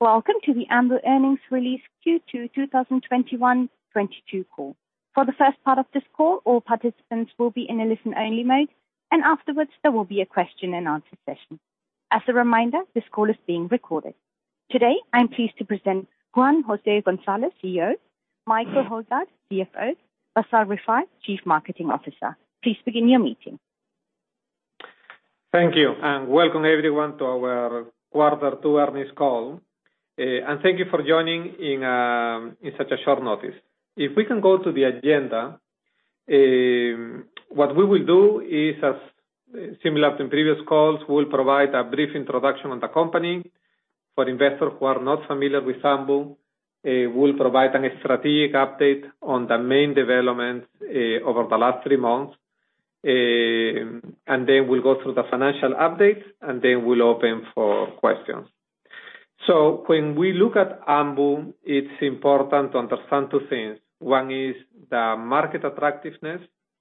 Welcome to the Ambu earnings release Q2 2021-22 call. For the first part of this call, all participants will be in a listen-only mode, and afterwards there will be a question and answer session. As a reminder, this call is being recorded. Today, I am pleased to present Juan-José Gonzalez, CEO, Michael Højgaard, CFO, Bassel Rifai, Chief Marketing Officer. Please begin your meeting. Thank you, and welcome everyone to our quarter two earnings call, and thank you for joining in such a short notice. If we can go to the agenda, what we will do is as similar to previous calls, we will provide a brief introduction on the company for investors who are not familiar with Ambu. We'll provide a strategic update on the main developments over the last three months. We'll go through the financial updates, and then we'll open for questions. When we look at Ambu, it's important to understand two things. One is the market attractiveness,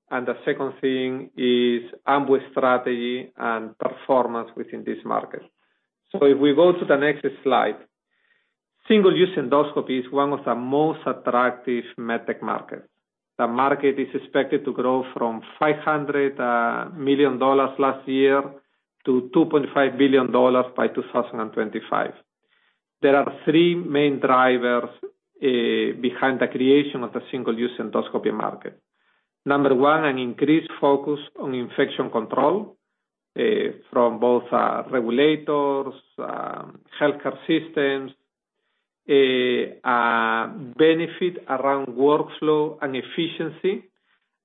and the second thing is Ambu's strategy and performance within this market. If we go to the next slide. Single-use endoscopy is one of the most attractive med tech markets. The market is expected to grow from $500 million last year to $2.5 billion by 2025. There are three main drivers behind the creation of the single-use endoscopy market. Number one, an increased focus on infection control from both regulators, healthcare systems. Benefit around workflow and efficiency,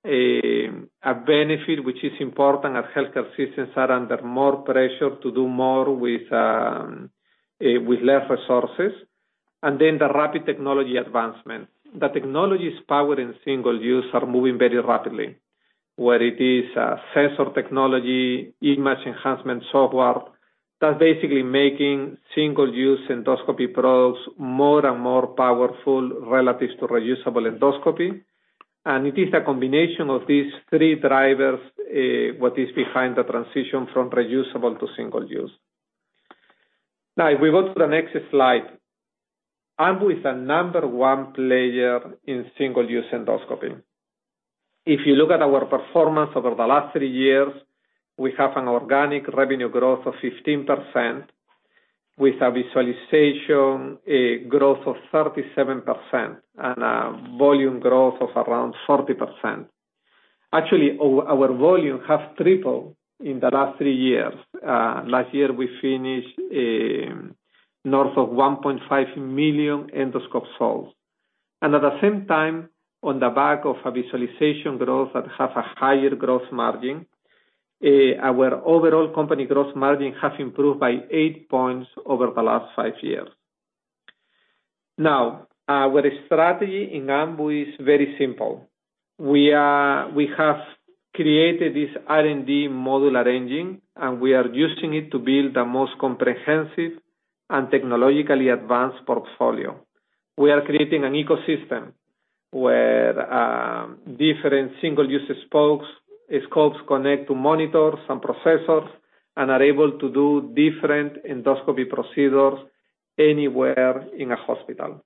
a benefit which is important as healthcare systems are under more pressure to do more with less resources. The rapid technology advancement. The technologies powering single-use are moving very rapidly. Whether it is sensor technology, image enhancement software, that's basically making single-use endoscopy products more and more powerful relative to reusable endoscopy. It is a combination of these three drivers that is behind the transition from reusable to single-use. Now, if we go to the next slide. Ambu is the number one player in single-use endoscopy. If you look at our performance over the last three years, we have an organic revenue growth of 15%, with a visualization, a growth of 37% and a volume growth of around 40%. Actually, our volume has tripled in the last three years. Last year we finished north of 1.5 million endoscope sales. At the same time, on the back of a visualization growth that have a higher gross margin, our overall company gross margin has improved by 8 points over the last five years. Now, our strategy in Ambu is very simple. We have created this R&D modular engine, and we are using it to build the most comprehensive and technologically advanced portfolio. We are creating an ecosystem where different single-use scopes connect to monitors and processors, and are able to do different endoscopy procedures anywhere in a hospital.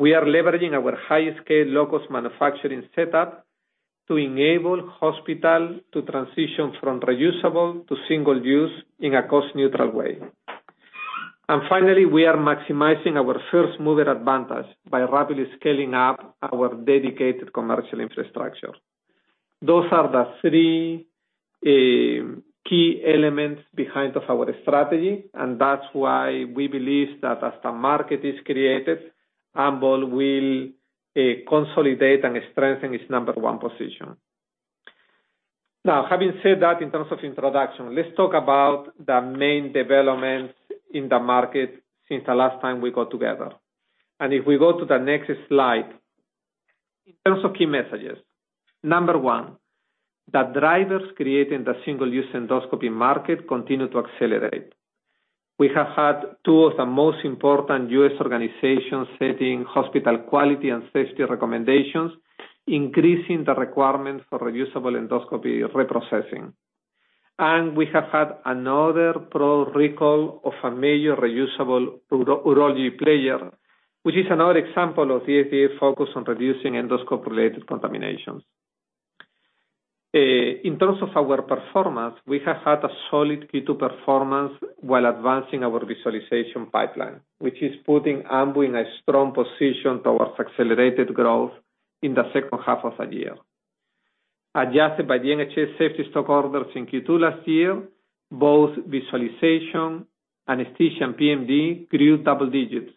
We are leveraging our high-scale, low-cost manufacturing setup to enable hospital to transition from reusable to single use in a cost-neutral way. Finally, we are maximizing our first-mover advantage by rapidly scaling up our dedicated commercial infrastructure. Those are the three key elements behind our strategy, and that's why we believe that as the market is created, Ambu will consolidate and strengthen its number-one position. Now, having said that, in terms of introduction, let's talk about the main developments in the market since the last time we got together. If we go to the next slide. In terms of key messages, number one, the drivers creating the single-use endoscopy market continue to accelerate. We have had two of the most important U.S. organizations setting hospital quality and safety recommendations, increasing the requirements for reusable endoscopy reprocessing. We have had another product recall of a major reusable urology player, which is another example of the FDA focus on reducing endoscope-related contaminations. In terms of our performance, we have had a solid Q2 performance while advancing our visualization pipeline, which is putting Ambu in a strong position towards accelerated growth in the second half of the year. Adjusted by the NHS safety stock orders in Q2 last year, both visualization, anesthesia and PMD grew double digits.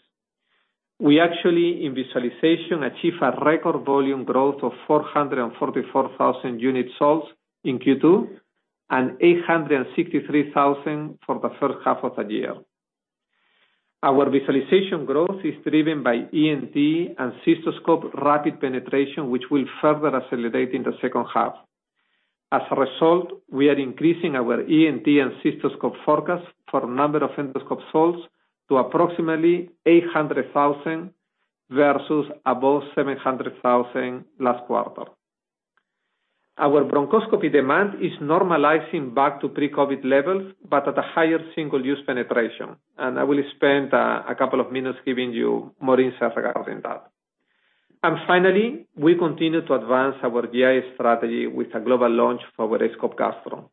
We actually, in visualization, achieved a record volume growth of 444,000 unit sales in Q2, and 863,000 for the first half of the year. Our visualization growth is driven by ENT and cystoscope rapid penetration, which will further accelerate in the second half. As a result, we are increasing our ENT and cystoscope forecast for number of endoscope sales to approximately 800,000, versus above 700,000 last quarter. Our bronchoscopy demand is normalizing back to pre-COVID levels, but at a higher single-use penetration. I will spend a couple of minutes giving you more insight regarding that. Finally, we continue to advance our GI strategy with a global launch for our aScope Gastro.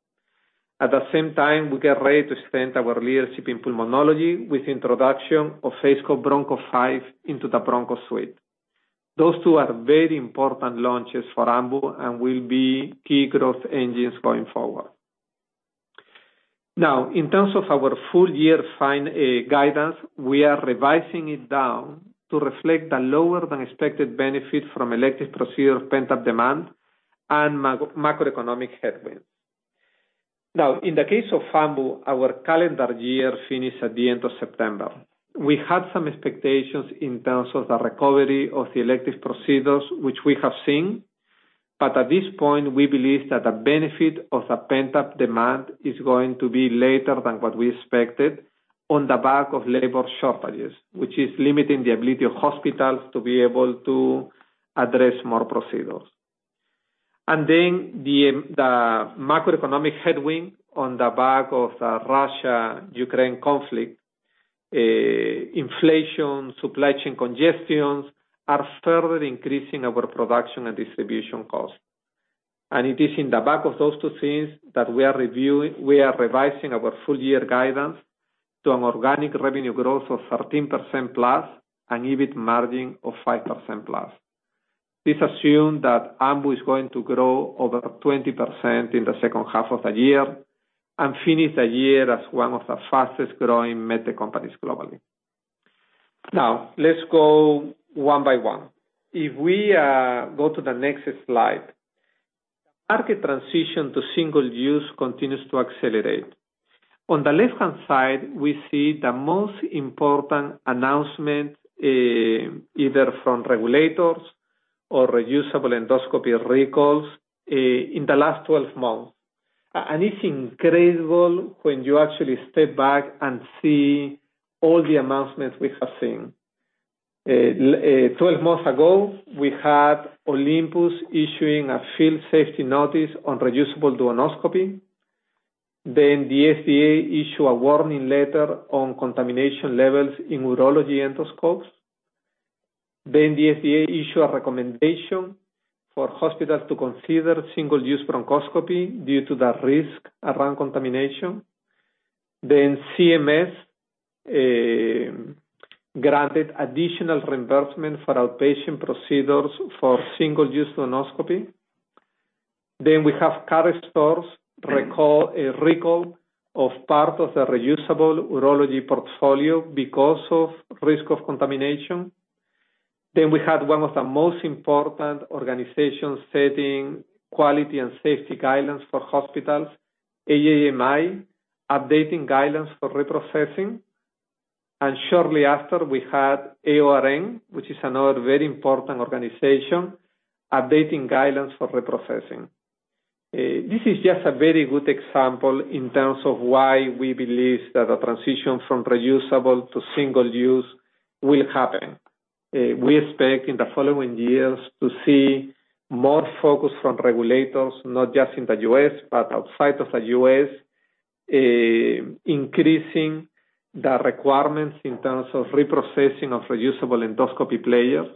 At the same time, we get ready to extend our leadership in pulmonology with introduction of aScope 5 Broncho into the bronch suite. Those two are very important launches for Ambu and will be key growth engines going forward. Now, in terms of our full-year guidance, we are revising it down to reflect the lower-than-expected benefit from elective procedure pent-up demand and macroeconomic headwinds. Now, in the case of Ambu, our calendar year finished at the end of September. We had some expectations in terms of the recovery of the elective procedures, which we have seen. But at this point, we believe that the benefit of the pent-up demand is going to be later than what we expected on the back of labor shortages, which is limiting the ability of hospitals to be able to address more procedures. The macroeconomic headwind on the back of the Russia-Ukraine conflict, inflation, supply chain congestions are further increasing our production and distribution costs. It is in the back of those two things that we are revising our full-year guidance to an organic revenue growth of 13%+ and EBIT margin of 5%+. This assumes that Ambu is going to grow over 20% in the second half of the year and finish the year as one of the fastest-growing med tech companies globally. Now, let's go one by one. If we go to the next slide. Market transition to single-use continues to accelerate. On the left-hand side, we see the most important announcement either from regulators or reusable endoscopy recalls in the last 12 months. And it's incredible when you actually step back and see all the announcements we have seen. 12 months ago, we had Olympus issuing a field safety notice on reusable duodenoscopes. The FDA issue a warning letter on contamination levels in urology endoscopes. The FDA issue a recommendation for hospitals to consider single-use bronchoscopy due to the risk around contamination. CMS granted additional reimbursement for outpatient procedures for single-use duodenoscopy. We have KARL STORZ's recall of part of their reusable urology portfolio because of risk of contamination. We had one of the most important organizations setting quality and safety guidelines for hospitals, AAMI, updating guidelines for reprocessing. Shortly after, we had AORN, which is another very important organization, updating guidelines for reprocessing. This is just a very good example in terms of why we believe that the transition from reusable to single-use will happen. We expect in the following years to see more focus from regulators, not just in the U.S., but outside of the U.S., increasing the requirements in terms of reprocessing of reusable endoscopy players,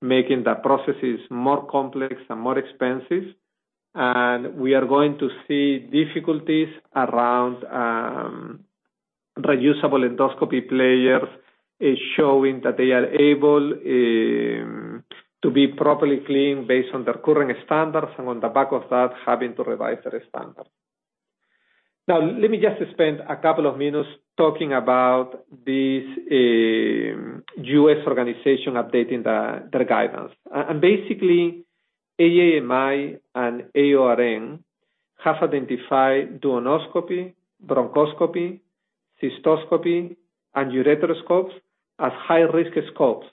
making the processes more complex and more expensive. We are going to see difficulties around reusable endoscopy players showing that they are able to be properly cleaned based on their current standards, and on the back of that, having to revise their standard. Now, let me just spend a couple of minutes talking about this, U.S. organization updating the, their guidance. And basically, AAMI and AORN have identified duodenoscopy, bronchoscopy, cystoscopy, and ureteroscopes as high-risk scopes,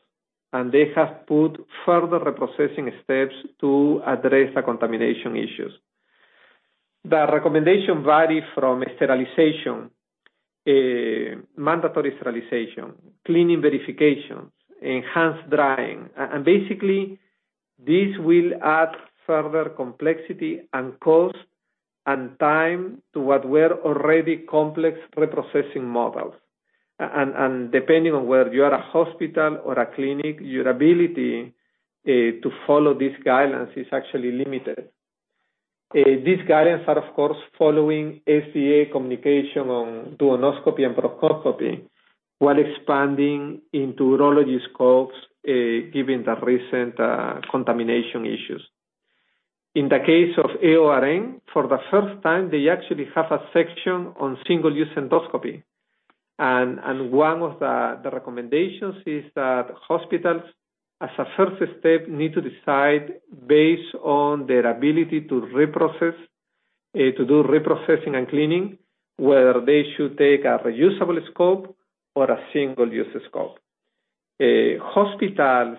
and they have put further reprocessing steps to address the contamination issues. The recommendation vary from sterilization, mandatory sterilization, cleaning verifications, enhanced drying. Basically, this will add further complexity and cost and time to what were already complex reprocessing models. Depending on whether you are a hospital or a clinic, your ability to follow these guidelines is actually limited. These guidelines are of course following FDA communication on duodenoscopy and bronchoscopy while expanding into urology scopes, given the recent contamination issues. In the case of AORN, for the first time, they actually have a section on single-use endoscopy. One of the recommendations is that hospitals, as a first step, need to decide based on their ability to reprocess to do reprocessing and cleaning, whether they should take a reusable scope or a single-use scope. Hospitals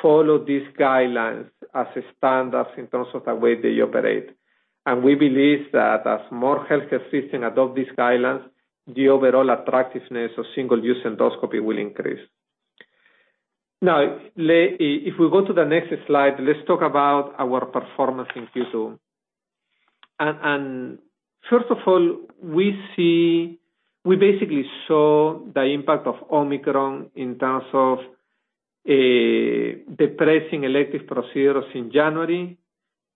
follow these guidelines as a standard in terms of the way they operate. We believe that as more healthcare systems adopt these guidelines, the overall attractiveness of single-use endoscopy will increase. Now, if we go to the next slide, let's talk about our performance in Q2. First of all, we basically saw the impact of Omicron in terms of depressing elective procedures in January.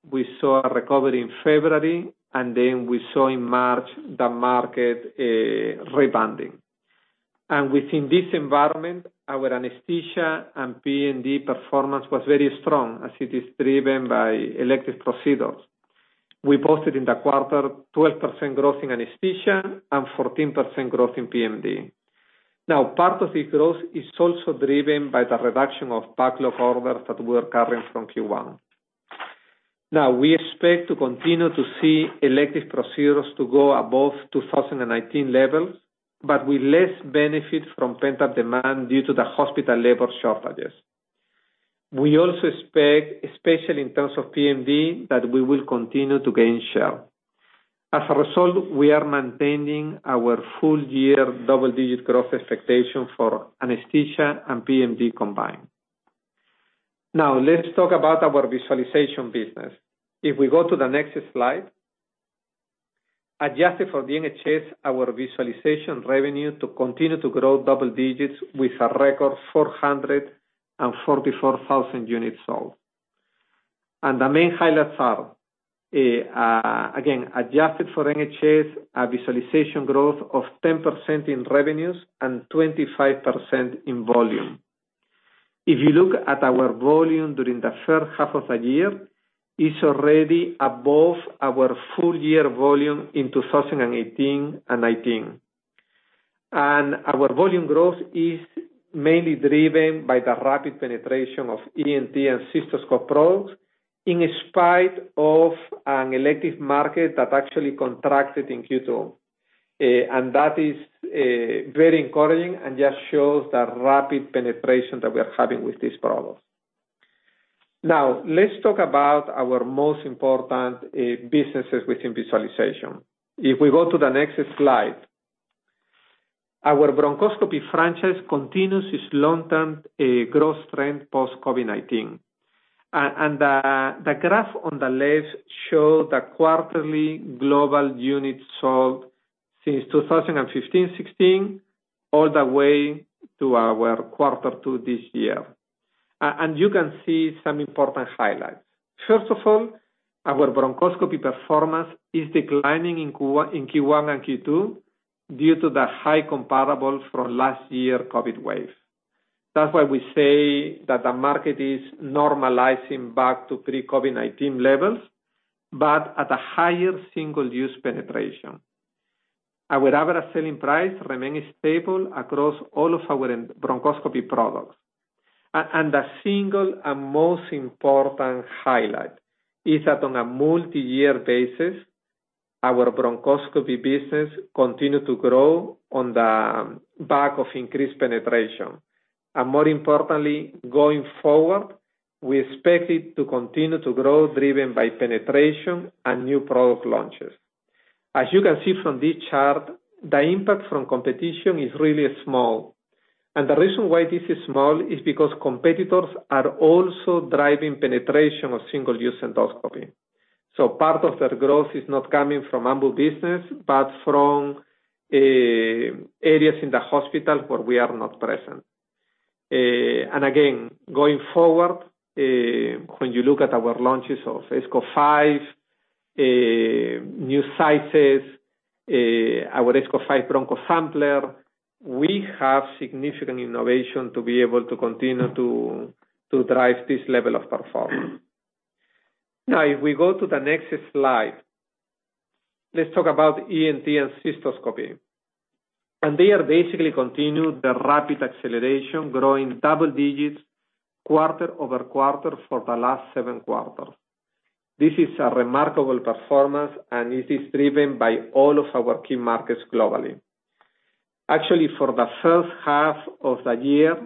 We saw a recovery in February, and then we saw in March the market rebounding. Within this environment, our anesthesia and PMD performance was very strong as it is driven by elective procedures. We posted in the quarter 12% growth in anesthesia and 14% growth in PMD. Now, part of this growth is also driven by the reduction of backlog orders that were coming from Q1. Now, we expect to continue to see elective procedures to go above 2019 levels, but with less benefit from pent-up demand due to the hospital labor shortages. We also expect, especially in terms of PMD, that we will continue to gain share. As a result, we are maintaining our full-year double-digit growth expectation for anesthesia and PMD combined. Now, let's talk about our visualization business. If we go to the next slide. Adjusted for the NHS, our visualization revenue to continue to grow double digits with a record 444,000 units sold. The main highlights are, again, adjusted for NHS, a visualization growth of 10% in revenues and 25% in volume. If you look at our volume during the first half of the year, it's already above our full year volume in 2018 and 2019. Our volume growth is mainly driven by the rapid penetration of ENT and cystoscope probes, in spite of an elective market that actually contracted in Q2. That is very encouraging and just shows the rapid penetration that we are having with these products. Now, let's talk about our most important businesses within visualization. If we go to the next slide. Our bronchoscopy franchise continues its long-term growth trend post COVID-19. And the graph on the left shows the quarterly global units sold since 2015, 2016, all the way to our Q2 this year. And you can see some important highlights. First of all, our bronchoscopy performance is declining in Q1 and Q2 due to the high comparables from last year's COVID wave. That's why we say that the market is normalizing back to pre-COVID-19 levels, but at a higher single-use penetration. Our average selling price remains stable across all of our bronchoscopy products. The single and most important highlight is that on a multi-year basis, our bronchoscopy business continue to grow on the back of increased penetration. More importantly, going forward, we expect it to continue to grow driven by penetration and new product launches. As you can see from this chart, the impact from competition is really small. The reason why this is small is because competitors are also driving penetration of single-use endoscopy. Part of their growth is not coming from Ambu business, but from areas in the hospital where we are not present. Again, going forward, when you look at our launches of aScope 5, new sizes, our aScope 5 BronchoSampler, we have significant innovation to be able to continue to drive this level of performance. Now, if we go to the next slide. Let's talk about ENT and cystoscopy. They basically continue the rapid acceleration, growing double digits quarter-over-quarter for the last seven quarters. This is a remarkable performance, and it is driven by all of our key markets globally. Actually, for the first half of the year,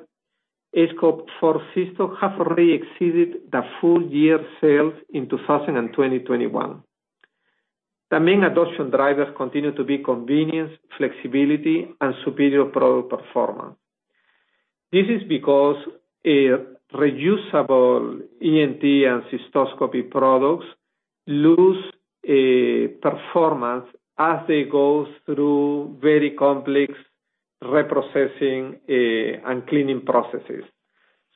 aScope 4 Cysto have already exceeded the full-year sales in 2020, 2021. The main adoption drivers continue to be convenience, flexibility, and superior product performance. This is because reusable ENT and cystoscopy products lose performance as they go through very complex reprocessing and cleaning processes.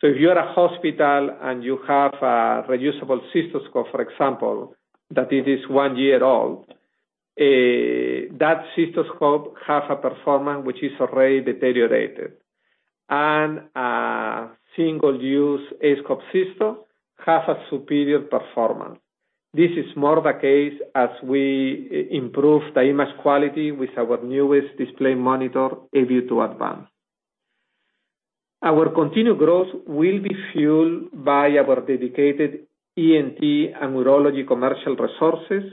If you are a hospital and you have a reusable cystoscope, for example, that it is one year old, that cystoscope have a performance which is already deteriorated. Single-use aScope 4 Cysto have a superior performance. This is more the case as we improve the image quality with our newest display monitor, aView 2 Advance. Our continued growth will be fueled by our dedicated ENT and urology commercial resources,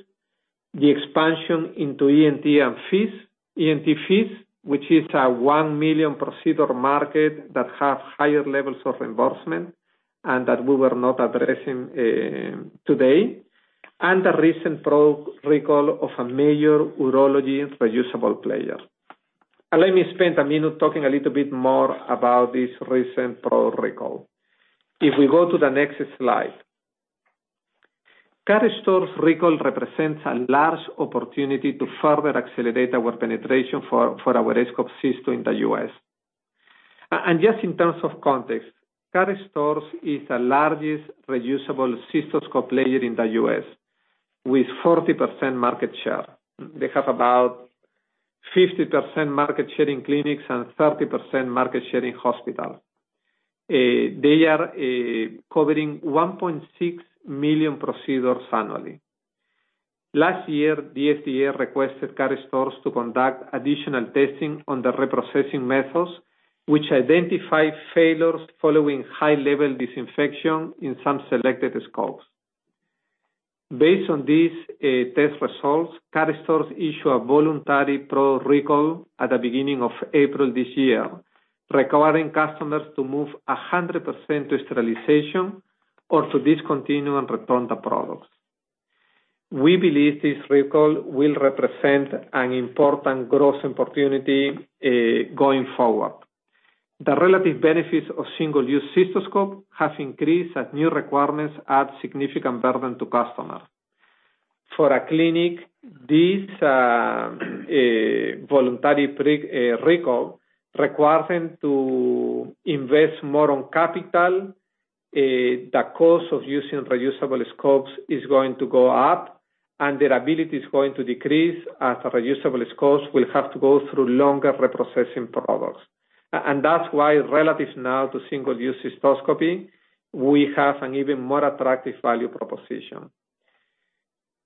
the expansion into ENT and FEES, ENT FEES, which is a 1 million procedure market that have higher levels of reimbursement and that we were not addressing today. The recent product recall of a major urology reusable player. Allow me to spend a minute talking a little bit more about this recent product recall. If we go to the next slide. KARL STORZ's recall represents a large opportunity to further accelerate our penetration for our aScope system in the U.S. Just in terms of context, KARL STORZ is the largest reusable cystoscope player in the U.S. with 40% market share. They have about 50% market share in clinics and 30% market share in hospital. They are covering 1.6 million procedures annually. Last year, the FDA requested KARL STORZ to conduct additional testing on the reprocessing methods, which identified failures following high-level disinfection in some selected scopes. Based on these test results, KARL STORZ issued a voluntary product recall at the beginning of April this year, requiring customers to move 100% to sterilization or to discontinue and return the products. We believe this recall will represent an important growth opportunity going forward. The relative benefits of single-use cystoscope have increased as new requirements add significant burden to customers. For a clinic, this voluntary recall require them to invest more on capital. The cost of using reusable scopes is going to go up, and their ability is going to decrease as reusable scopes will have to go through longer reprocessing products. That's why relative now to single-use cystoscopy, we have an even more attractive value proposition.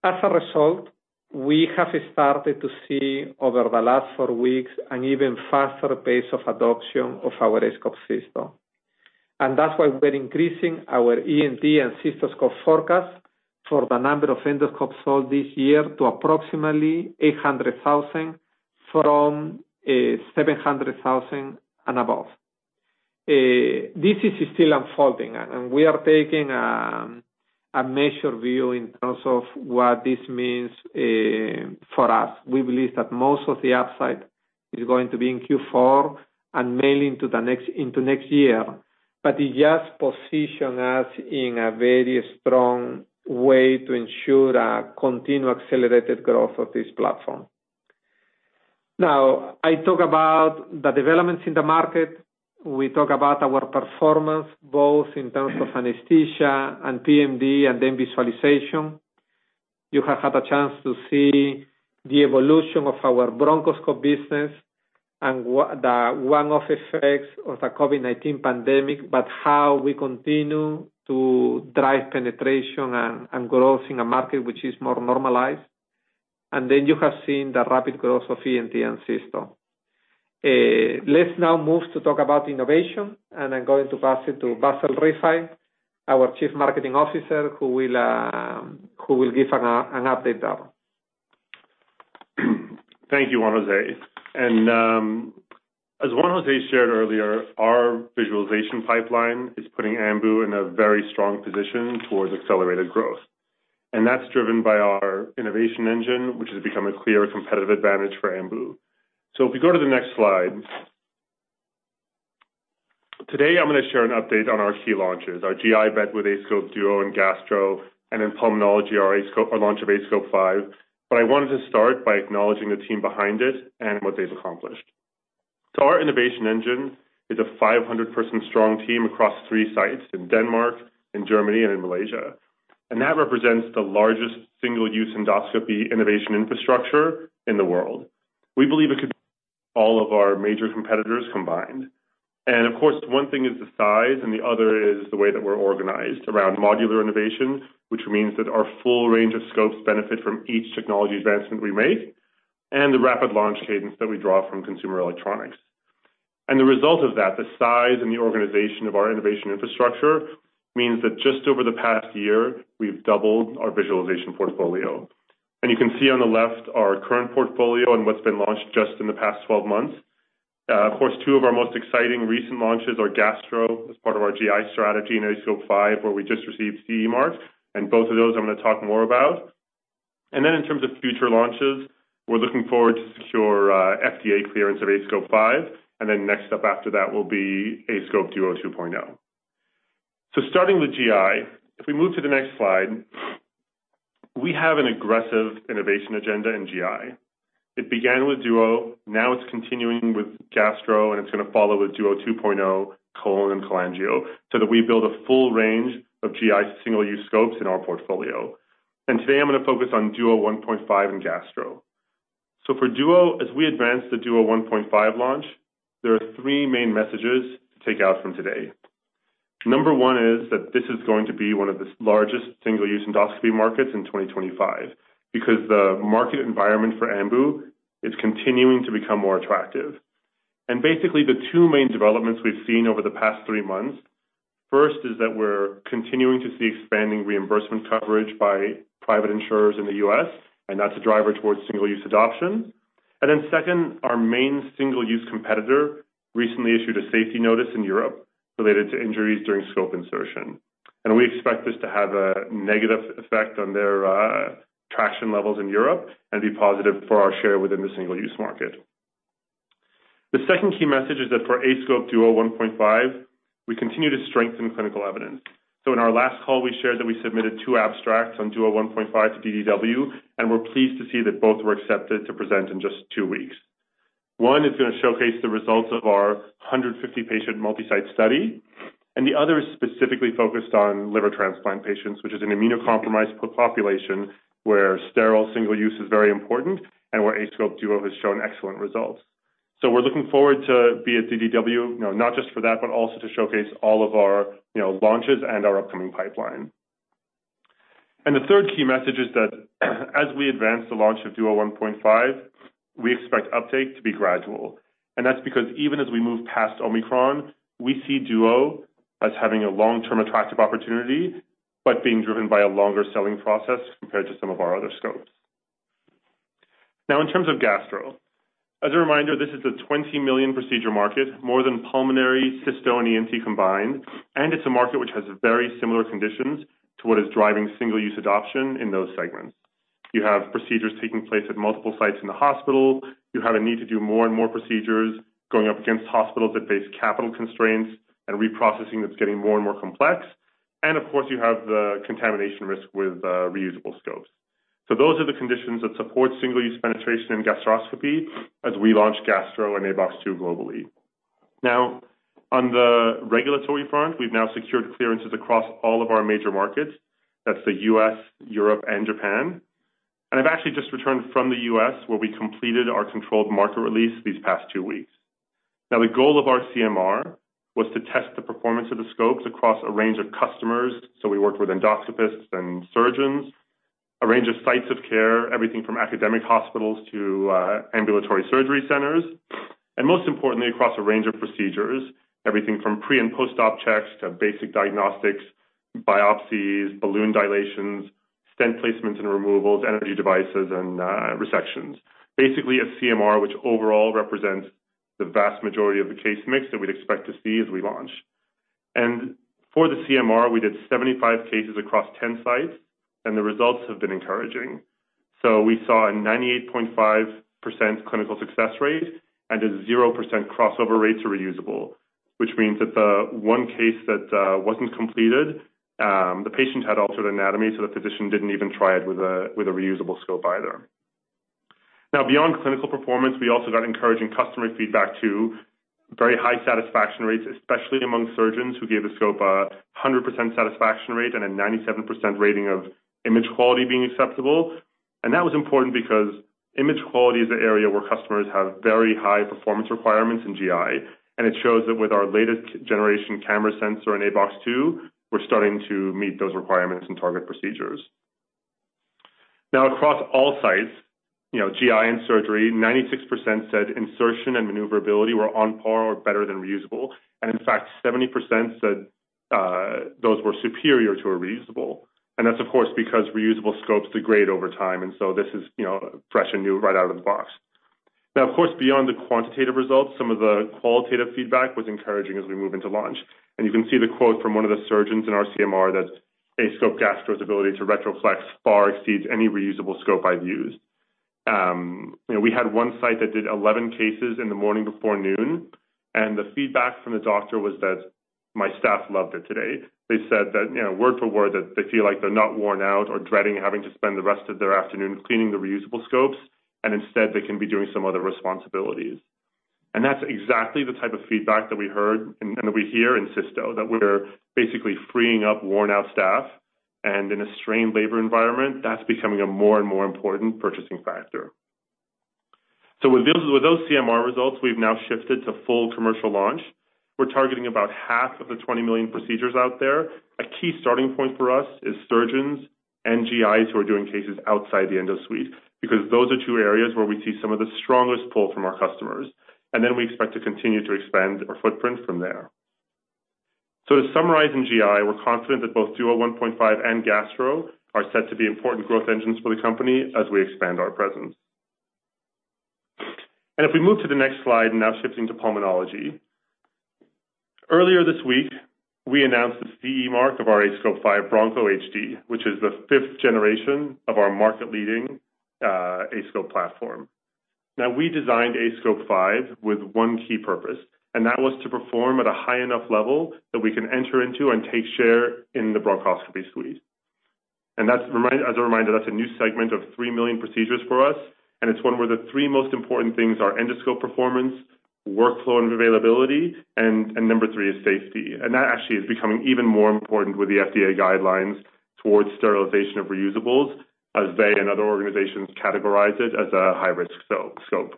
As a result, we have started to see over the last four weeks an even faster pace of adoption of our aScope system. That's why we're increasing our ENT and cystoscope forecast for the number of endoscopes sold this year to approximately 800,000 from 700,000 and above. This is still unfolding, and we are taking a measured view in terms of what this means for us. We believe that most of the upside is going to be in Q4 and mainly into next year. It just position us in a very strong way to ensure a continued accelerated growth of this platform. Now, I talk about the developments in the market. We talk about our performance both in terms of anesthesia and PMD and then visualization. You have had a chance to see the evolution of our bronchoscope business and the one-off effects of the COVID-19 pandemic, but how we continue to drive penetration and growth in a market which is more normalized. Then you have seen the rapid growth of ENT and cysto. Let's now move to talk about innovation, and I'm going to pass it to Bassel Rifai, our Chief Marketing Officer, who will give an update now. Thank you, Juan-José. As Juan-José shared earlier, our visualization pipeline is putting Ambu in a very strong position toward accelerated growth, and that's driven by our innovation engine, which has become a clear competitive advantage for Ambu. If you go to the next slide. Today, I'm gonna share an update on our key launches, our GI bet with aScope Duodeno and Gastro and in pulmonology, our launch of aScope 5. I wanted to start by acknowledging the team behind it and what they've accomplished. Our innovation engine is a 500-person strong team across three sites in Denmark, in Germany, and in Malaysia. That represents the largest single-use endoscopy innovation infrastructure in the world. We believe it exceeds all of our major competitors combined. Of course, one thing is the size and the other is the way that we're organized around modular innovation, which means that our full range of scopes benefit from each technology advancement we make, and the rapid launch cadence that we draw from consumer electronics. The result of that, the size and the organization of our innovation infrastructure, means that just over the past year, we've doubled our visualization portfolio. You can see on the left our current portfolio and what's been launched just in the past 12 months. Of course, two of our most exciting recent launches are aScope Gastro as part of our GI strategy in aScope 5, where we just received CE marks, and both of those I'm gonna talk more about. In terms of future launches, we're looking forward to secure FDA clearance of aScope 5, and then next step after that will be aScope Duodeno 2.0. Starting with GI, if we move to the next slide, we have an aggressive innovation agenda in GI. It began with Duodeno, now it's continuing with Gastro, and it's gonna follow with Duodeno 2.0 colon and cholangio, so that we build a full range of GI single-use scopes in our portfolio. Today I'm gonna focus on Duodeno 1.5 and Gastro. For Duo, as we advance the Duodeno 1.5 launch, there are three main messages to take out from today. Number one is that this is going to be one of the largest single-use endoscopy markets in 2025 because the market environment for Ambu is continuing to become more attractive. Basically, the two main developments we've seen over the past three months, first is that we're continuing to see expanding reimbursement coverage by private insurers in the U.S., and that's a driver towards single-use adoption. Then second, our main single-use competitor recently issued a safety notice in Europe related to injuries during scope insertion. We expect this to have a negative effect on their traction levels in Europe and be positive for our share within the single-use market. The second key message is that for aScope Duodeno 1.5, we continue to strengthen clinical evidence. In our last call, we shared that we submitted two abstracts on Duodeno 1.5 to DDW, and we're pleased to see that both were accepted to present in just two weeks. One is gonna showcase the results of our 150-patient multi-site study, and the other is specifically focused on liver transplant patients, which is an immunocompromised population where sterile single-use is very important and where aScope Duodeno has shown excellent results. We're looking forward to be at DDW, you know, not just for that, but also to showcase all of our, you know, launches and our upcoming pipeline. The third key message is that as we advance the launch of Duodeno 1.5, we expect uptake to be gradual. That's because even as we move past Omicron, we see Duodeno as having a long-term attractive opportunity, but being driven by a longer selling process compared to some of our other scopes. Now, in terms of Gastro, as a reminder, this is a 20 million procedure market, more than pulmonary, cysto, and ENT combined. It's a market which has very similar conditions to what is driving single-use adoption in those segments. You have procedures taking place at multiple sites in the hospital. You have a need to do more and more procedures going up against hospitals that face capital constraints and reprocessing that's getting more and more complex. Of course, you have the contamination risk with reusable scopes. Those are the conditions that support single-use penetration in gastroscopy as we launch Gastro and aBox 2 globally. Now, on the regulatory front, we've now secured clearances across all of our major markets. That's the U.S., Europe, and Japan. I've actually just returned from the U.S., where we completed our controlled market release these past two weeks. Now, the goal of our CMR was to test the performance of the scopes across a range of customers, so we worked with endoscopists and surgeons, a range of sites of care, everything from academic hospitals to ambulatory surgery centers, and most importantly, across a range of procedures, everything from pre- and post-op checks to basic diagnostics, biopsies, balloon dilations, stent placements and removals, energy devices, and resections. Basically, a CMR which overall represents the vast majority of the case mix that we'd expect to see as we launch. For the CMR, we did 75 cases across 10 sites, and the results have been encouraging. We saw a 98.5% clinical success rate and a 0% crossover rate to reusable, which means that the one case that wasn't completed, the patient had altered anatomy, so the physician didn't even try it with a reusable scope either. Beyond clinical performance, we also got encouraging customer feedback to very high satisfaction rates, especially among surgeons who gave the scope a 100% satisfaction rate and a 97% rating of image quality being acceptable. That was important because image quality is an area where customers have very high performance requirements in GI, and it shows that with our latest generation camera sensor in aBox 2, we're starting to meet those requirements and target procedures. Across all sites, you know, GI and surgery, 96% said insertion and maneuverability were on par or better than reusable. In fact, 70% said those were superior to a reusable. That's of course because reusable scopes degrade over time, and so this is, you know, fresh and new right out of the box. Now, of course, beyond the quantitative results, some of the qualitative feedback was encouraging as we move into launch. You can see the quote from one of the surgeons in our CMR that aScope Gastro's ability to retroflex far exceeds any reusable scope I've used. You know, we had one site that did 11 cases in the morning before noon, and the feedback from the doctor was that my staff loved it today. They said that, you know, word for word, that they feel like they're not worn out or dreading having to spend the rest of their afternoon cleaning the reusable scopes, and instead, they can be doing some other responsibilities. That's exactly the type of feedback that we heard and that we hear in cysto, that we're basically freeing up worn out staff. In a strained labor environment, that's becoming a more and more important purchasing factor. With those CMR results, we've now shifted to full commercial launch. We're targeting about half of the 20 million procedures out there. A key starting point for us is surgeons, non-GIs who are doing cases outside the endo suite, because those are two areas where we see some of the strongest pull from our customers. Then we expect to continue to expand our footprint from there. To summarize in GI, we're confident that both Duodeno 1.5 and Gastro are set to be important growth engines for the company as we expand our presence. If we move to the next slide, now shifting to pulmonology. Earlier this week, we announced the CE mark of our aScope 5 Broncho HD, which is the fifth generation of our market-leading aScope platform. Now, we designed aScope 5 with one key purpose, and that was to perform at a high enough level that we can enter into and take share in the bronchoscopy suite. That's as a reminder, that's a new segment of 3 million procedures for us, and it's one where the three most important things are endoscope performance, workflow and availability, and number three is safety. That actually is becoming even more important with the FDA guidelines towards sterilization of reusables as they and other organizations categorize it as a high-risk scope.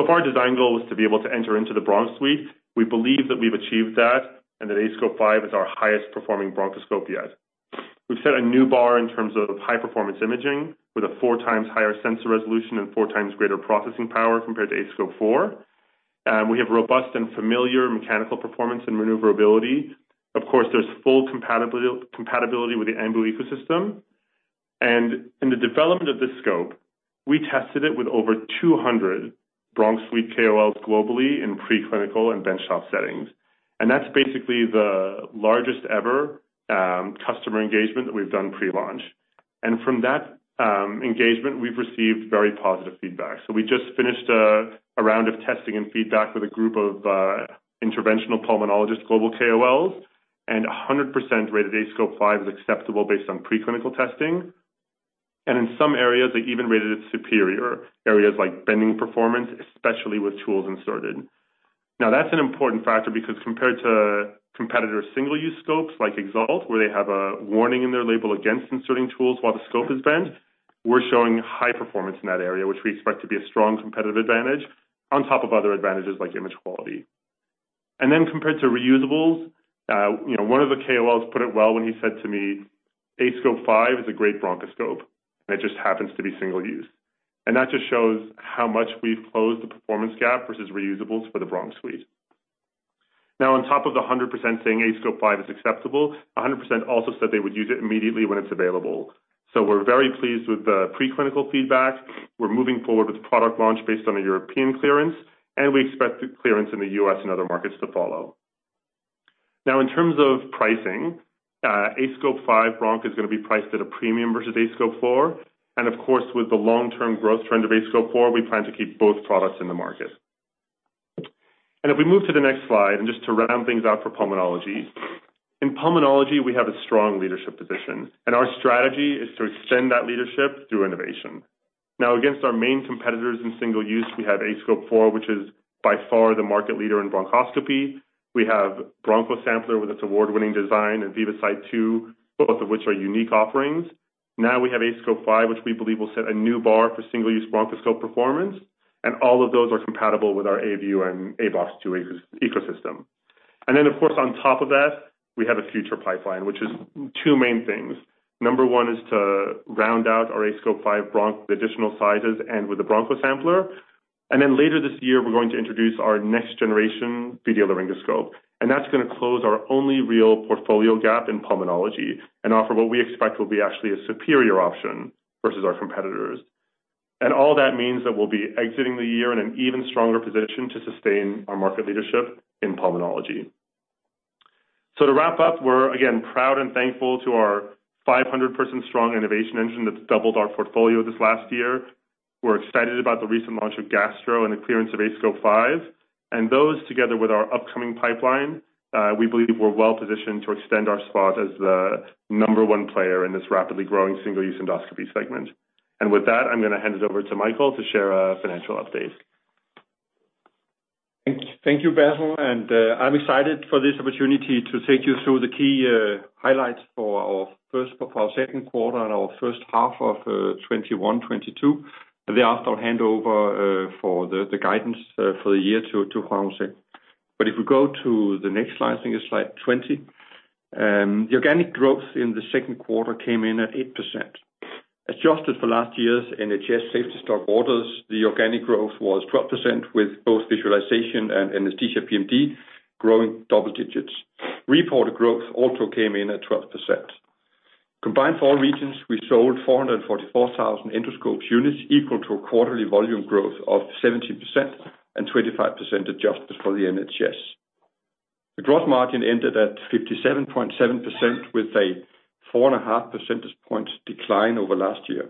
If our design goal was to be able to enter into the bronch suite, we believe that we've achieved that and that aScope 5 is our highest performing bronchoscope yet. We've set a new bar in terms of high-performance imaging with a four times higher sensor resolution and four times greater processing power compared to aScope 4. We have robust and familiar mechanical performance and maneuverability. Of course, there's full compatibility with the Ambu ecosystem. In the development of this scope, we tested it with over 200 bronch suite KOLs globally in pre-clinical and bench-top settings. That's basically the largest ever customer engagement that we've done pre-launch. From that engagement, we've received very positive feedback. We just finished a round of testing and feedback with a group of interventional pulmonologists, global KOLs, and 100% rated aScope 5 as acceptable based on pre-clinical testing. In some areas, they even rated it superior, areas like bending performance, especially with tools inserted. Now, that's an important factor because compared to competitor single-use scopes like EXALT, where they have a warning in their label against inserting tools while the scope is bent, we're showing high performance in that area, which we expect to be a strong competitive advantage on top of other advantages like image quality. Compared to reusables, you know, one of the KOLs put it well when he said to me, "aScope 5 is a great bronchoscope, and it just happens to be single-use." That just shows how much we've closed the performance gap versus reusables for the bronch suite. Now, on top of the 100% saying aScope 5 is acceptable, 100% also said they would use it immediately when it's available. We're very pleased with the pre-clinical feedback. We're moving forward with product launch based on a European clearance, and we expect the clearance in the U.S. and other markets to follow. Now in terms of pricing, aScope 5 Bronch is gonna be priced at a premium versus aScope 4. Of course, with the long-term growth trend of aScope 4, we plan to keep both products in the market. If we move to the next slide and just to round things out for pulmonology. In pulmonology, we have a strong leadership position, and our strategy is to extend that leadership through innovation. Now, against our main competitors in single-use, we have aScope 4, which is by far the market leader in bronchoscopy. We have BronchoSampler with its award-winning design and VivaSight 2, both of which are unique offerings. Now, we have aScope 5, which we believe will set a new bar for single-use bronchoscope performance, and all of those are compatible with our aView and aBox 2 ecosystem. Then, of course, on top of that, we have a future pipeline, which is two main things. Number one is to round out our aScope 5 Broncho with additional sizes and with a BronchoSampler. Then later this year, we're going to introduce our next-generation video laryngoscope, and that's gonna close our only real portfolio gap in pulmonology and offer what we expect will be actually a superior option versus our competitors. All that means that we'll be exiting the year in an even stronger position to sustain our market leadership in pulmonology. To wrap up, we're again proud and thankful to our 500-person strong innovation engine that's doubled our portfolio this last year. We're excited about the recent launch of aScope Gastro and the clearance of aScope 5, and those together with our upcoming pipeline, we believe we're well-positioned to extend our spot as the number-one player in this rapidly growing single-use endoscopy segment. With that, I'm gonna hand it over to Michael to share a financial update. Thank you, Bassel. I'm excited for this opportunity to take you through the key highlights for our second quarter and our first half of 2021, 2022. Thereafter, hand over for the guidance for the year to Juan-José Gonzalez. If we go to the next slide, I think it's slide 20. The organic growth in the second quarter came in at 8%. Adjusted for last year's NHS safety stock orders, the organic growth was 12%, with both visualization and anesthesia PMD growing double digits. Reported growth also came in at 12%. Combined for all regions, we sold 444,000 endoscope units, equal to a quarterly volume growth of 17% and 25% adjusted for the NHS. The gross margin ended at 57.7% with a 4.5 percentage point decline over last year.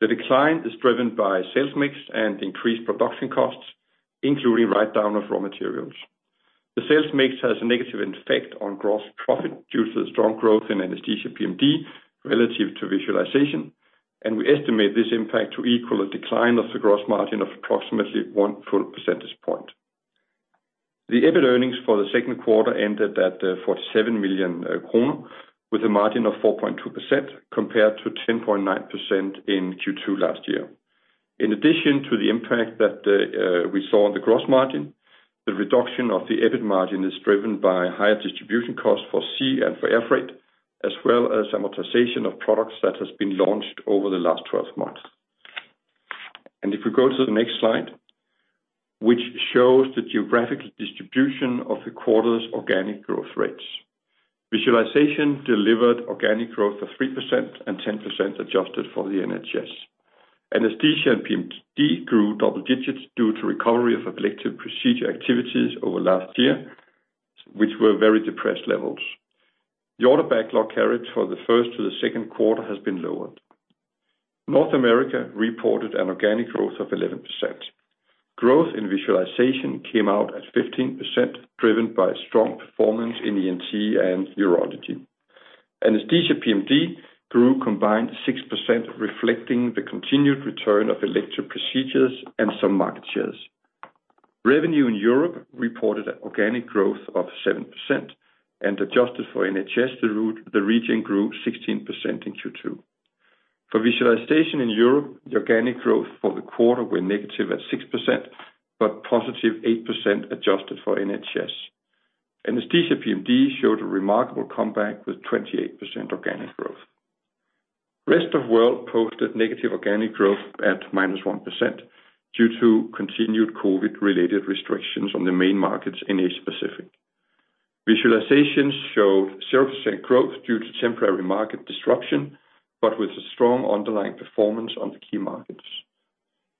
The decline is driven by sales mix and increased production costs, including write-down of raw materials. The sales mix has a negative effect on gross profit due to the strong growth in anesthesia PMD relative to visualization. We estimate this impact to equal a decline of the gross margin of approximately 1 full percentage point. The EBIT earnings for the second quarter ended at 47 million kroner, with a margin of 4.2% compared to 10.9% in Q2 last year. In addition to the impact that we saw on the gross margin, the reduction of the EBIT margin is driven by higher distribution costs for sea and for air freight, as well as amortization of products that has been launched over the last 12 months. If we go to the next slide, which shows the geographical distribution of the quarter's organic growth rates. Visualization delivered organic growth of 3% and 10% adjusted for the NHS. Anesthesia and PMD grew double digits due to recovery of elective procedure activities over last year, which were very depressed levels. The order backlog carried for the first to the second quarter has been lowered. North America reported an organic growth of 11%. Growth in visualization came out at 15%, driven by strong performance in ENT and urology. Anesthesia PMD grew combined 6%, reflecting the continued return of elective procedures and some market shares. Revenue in Europe reported organic growth of 7% and adjusted for NHS, the region grew 16% in Q2. For visualization in Europe, the organic growth for the quarter went negative at 6%, but +8% adjusted for NHS. Anesthesia PMD showed a remarkable comeback with 28% organic growth. Rest of world posted negative organic growth at -1% due to continued COVID-related restrictions on the main markets in Asia Pacific. Visualizations show 0% growth due to temporary market disruption, but with a strong underlying performance on the key markets.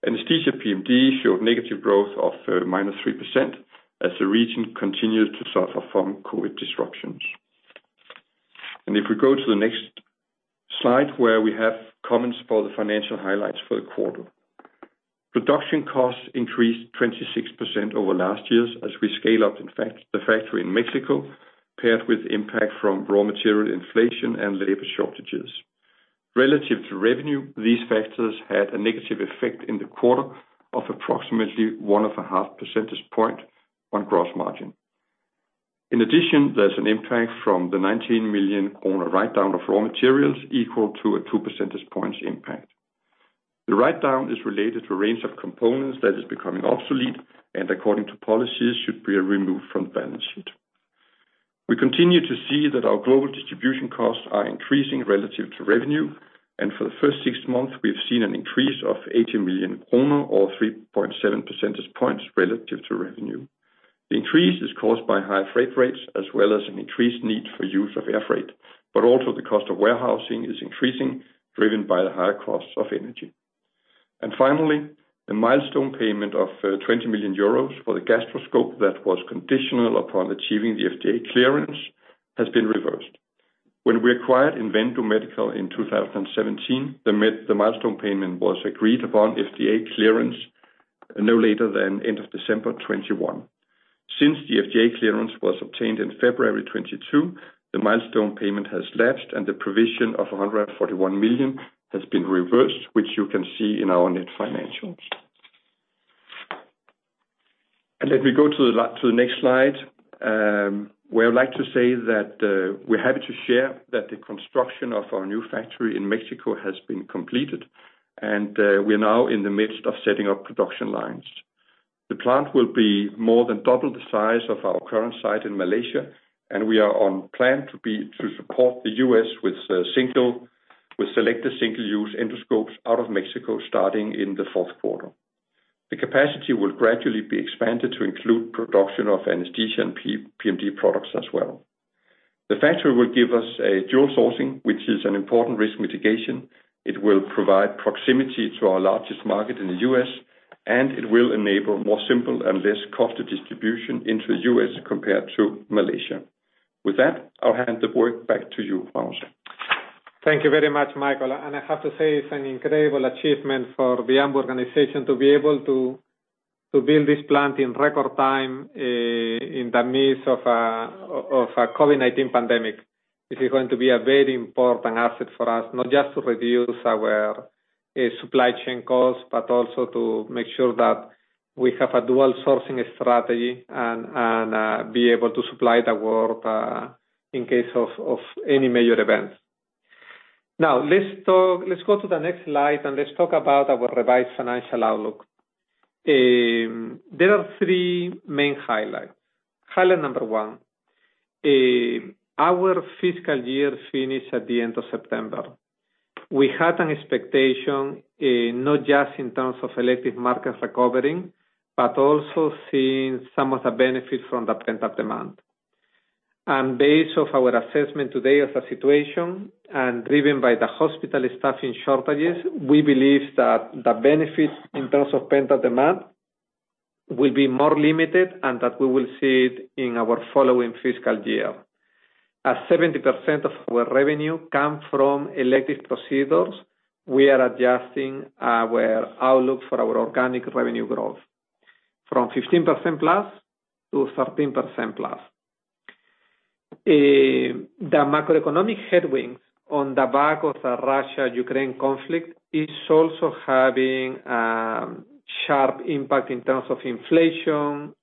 Anesthesia PMD showed negative growth of -3% as the region continues to suffer from COVID disruptions. If we go to the next slide, where we have comments for the financial highlights for the quarter. Production costs increased 26% over last year's as we scale up, in fact, the factory in Mexico, paired with impact from raw-material inflation and labor shortages. Relative to revenue, these factors had a negative effect in the quarter of approximately 1.5 percentage point on gross margin. In addition, there's an impact from the 19 million kroner on a write-down of raw materials equal to a 2 percentage points impact. The write-down is related to a range of components that is becoming obsolete and according to policies, should be removed from the balance sheet. We continue to see that our global distribution costs are increasing relative to revenue. For the first six months, we have seen an increase of 80 million kroner or 3.7 percentage points relative to revenue. The increase is caused by high freight rates as well as an increased need for use of air freight. Also the cost of warehousing is increasing, driven by the higher costs of energy. Finally, the milestone payment of 20 million euros for the gastro scope that was conditional upon achieving the FDA clearance has been reversed. When we acquired Invendo Medical in 2017, the milestone payment was agreed upon FDA clearance no later than end of December 2021. Since the FDA clearance was obtained in February 2022, the milestone payment has lapsed and the provision of 141 million has been reversed, which you can see in our net financials. If we go to the next slide, where I'd like to say that we're happy to share that the construction of our new factory in Mexico has been completed, and we are now in the midst of setting up production lines. The plant will be more than double the size of our current site in Malaysia, and we are on plan to support the U.S. with selected single-use endoscopes out of Mexico starting in the fourth quarter. The capacity will gradually be expanded to include production of anesthesia and PMD products as well. The factory will give us a dual sourcing, which is an important risk mitigation. It will provide proximity to our largest market in the U.S., and it will enable more simple and less costly distribution into the U.S. compared to Malaysia. With that, I'll hand the work back to you, Juan-José. Thank you very much, Michael. I have to say it's an incredible achievement for the Ambu organization to be able to build this plant in record time in the midst of a COVID-19 pandemic. This is going to be a very important asset for us, not just to reduce our supply chain costs, but also to make sure that we have a dual sourcing strategy and be able to supply the world in case of any major events. Now, let's go to the next slide and let's talk about our revised financial outlook. There are three main highlights. Highlight number one, our fiscal year finished at the end of September. We had an expectation, not just in terms of elective markets recovering, but also seeing some of the benefits from the pent-up demand. Based off our assessment today of the situation and driven by the hospital staffing shortages, we believe that the benefits in terms of pent-up demand will be more limited, and that we will see it in our following fiscal year. As 70% of our revenue come from elective procedures, we are adjusting our outlook for our organic revenue growth from 15%+ to 13%+. The macroeconomic headwinds on the back of the Russia-Ukraine conflict is also having sharp impact in terms of inflation,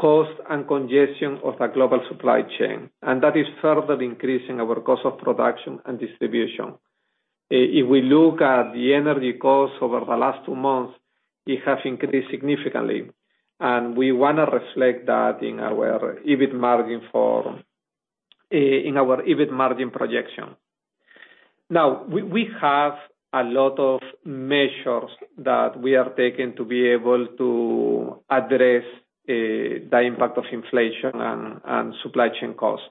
cost, and congestion of the global supply chain. That is further increasing our cost of production and distribution. If we look at the energy costs over the last two months, it has increased significantly, and we want to reflect that in our EBIT margin projection. Now, we have a lot of measures that we are taking to be able to address the impact of inflation and supply chain costs.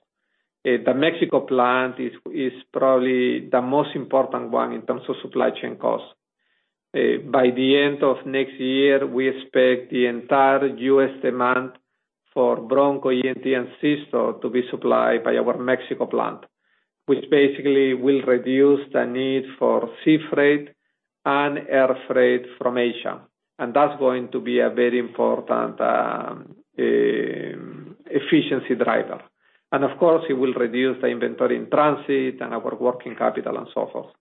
The Mexico plant is probably the most important one in terms of supply chain costs. By the end of next year, we expect the entire U.S. demand for Broncho, ENT, and Cysto to be supplied by our Mexico plant, which basically will reduce the need for sea freight and air freight from Asia. That's going to be a very important efficiency driver. Of course, it will reduce the inventory in transit and our working capital and so forth.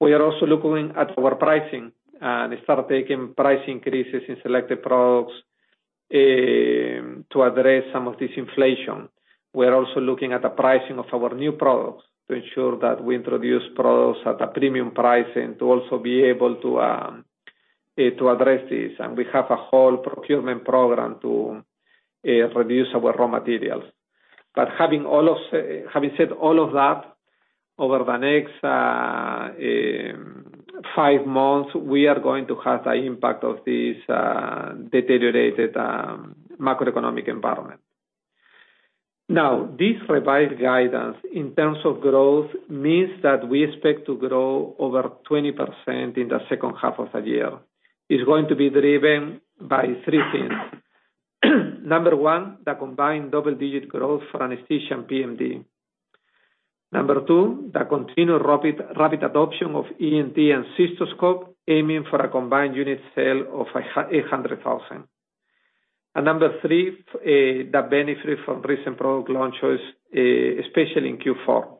We are also looking at our pricing and start taking price increases in selected products to address some of this inflation. We're also looking at the pricing of our new products to ensure that we introduce products at a premium pricing to also be able to to address this, and we have a whole procurement program to reduce our raw materials. Having said all of that, over the next five months, we are going to have the impact of this deteriorated macroeconomic environment. Now, this revised guidance in terms of growth means that we expect to grow over 20% in the second half of the year. It's going to be driven by three things. Number one, the combined double-digit growth for anesthesia and PMD. Number two, the continued rapid adoption of ENT and cystoscope, aiming for a combined unit sale of 100,000. Number three, the benefit from recent product launches, especially in Q4.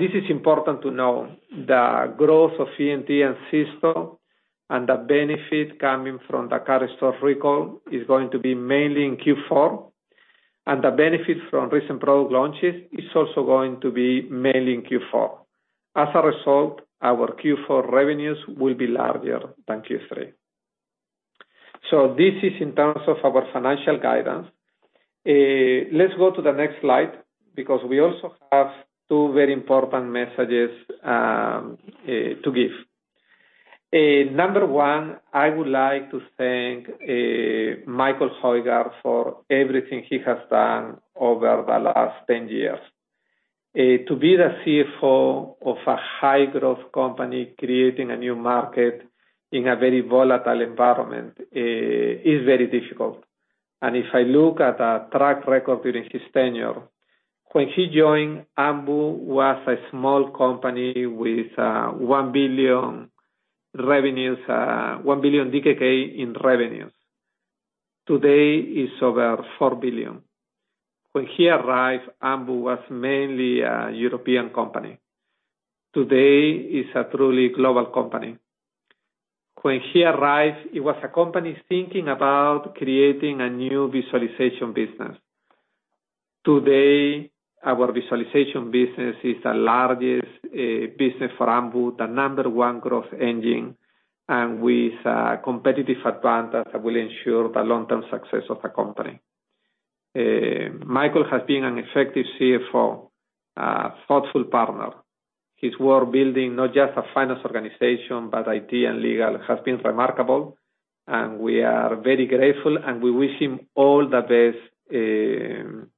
This is important to know, the growth of ENT and cysto and the benefit coming from the KARL STORZ recall is going to be mainly in Q4, and the benefit from recent product launches is also going to be mainly in Q4. As a result, our Q4 revenues will be larger than Q3. This is in terms of our financial guidance. Let's go to the next slide because we also have two very important messages to give. Number one, I would like to thank Michael Højgaard for everything he has done over the last 10 years. To be the CFO of a high-growth company, creating a new market in a very volatile environment, is very difficult. If I look at a track record during his tenure, when he joined, Ambu was a small company with 1 billion revenues, one billion DKK in revenues. Today is over 4 billion. When he arrived, Ambu was mainly a European company. Today, it's a truly global company. When he arrived, it was a company thinking about creating a new visualization business. Today, our visualization business is the largest business for Ambu, the number-one growth engine, and with a competitive advantage that will ensure the long-term success of the company. Michael has been an effective CFO, thoughtful partner. His work building not just a finance organization, but IT and legal, has been remarkable, and we are very grateful, and we wish him all the best in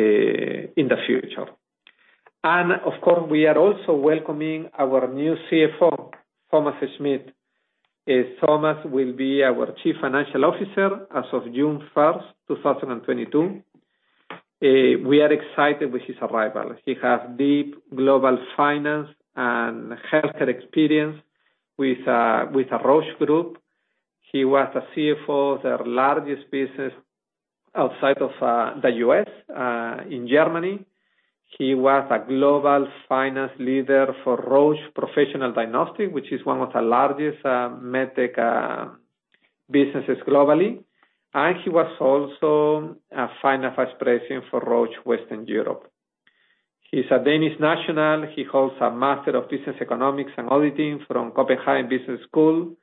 the future. Of course, we are also welcoming our new CFO, Thomas Schmidt. Thomas will be our Chief Financial Officer as of June 1st, 2022. We are excited with his arrival. He has deep global finance and healthcare experience with the Roche Group. He was a CFO of their largest business outside of the U.S. in Germany. He was a global finance leader for Roche Professional Diagnostics, which is one of the largest med tech businesses globally. He was also a finance vice president for Roche Western Europe. He's a Danish national. He holds a Master of Business Economics and Auditing from Copenhagen Business School,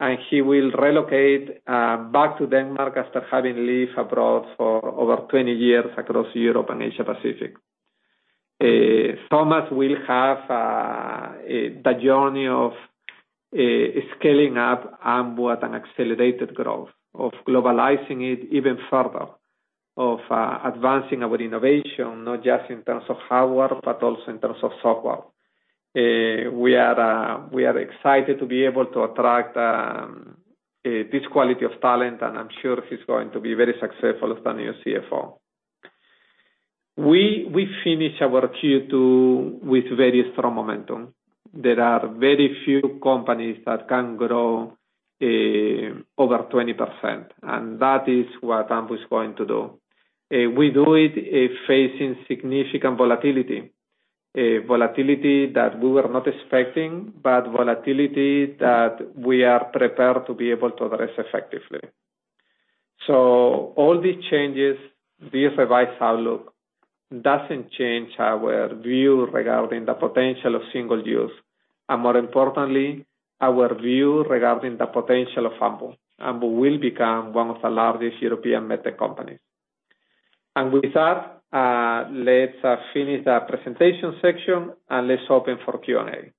and he will relocate back to Denmark after having lived abroad for over 20 years across Europe and Asia Pacific. Thomas will have the journey of scaling up Ambu at an accelerated growth of globalizing it even further, of advancing our innovation, not just in terms of hardware, but also in terms of software. We are excited to be able to attract this quality of talent, and I'm sure he's going to be very successful as the new CFO. We finish our Q2 with very strong momentum. There are very few companies that can grow over 20%, and that is what Ambu is going to do. We do it facing significant volatility that we were not expecting, but volatility that we are prepared to be able to address effectively. All these changes, this revised outlook doesn't change our view regarding the potential of single-use, and more importantly, our view regarding the potential of Ambu. Ambu will become one of the largest European med tech companies. With that, let's finish the presentation section and let's open for Q&A.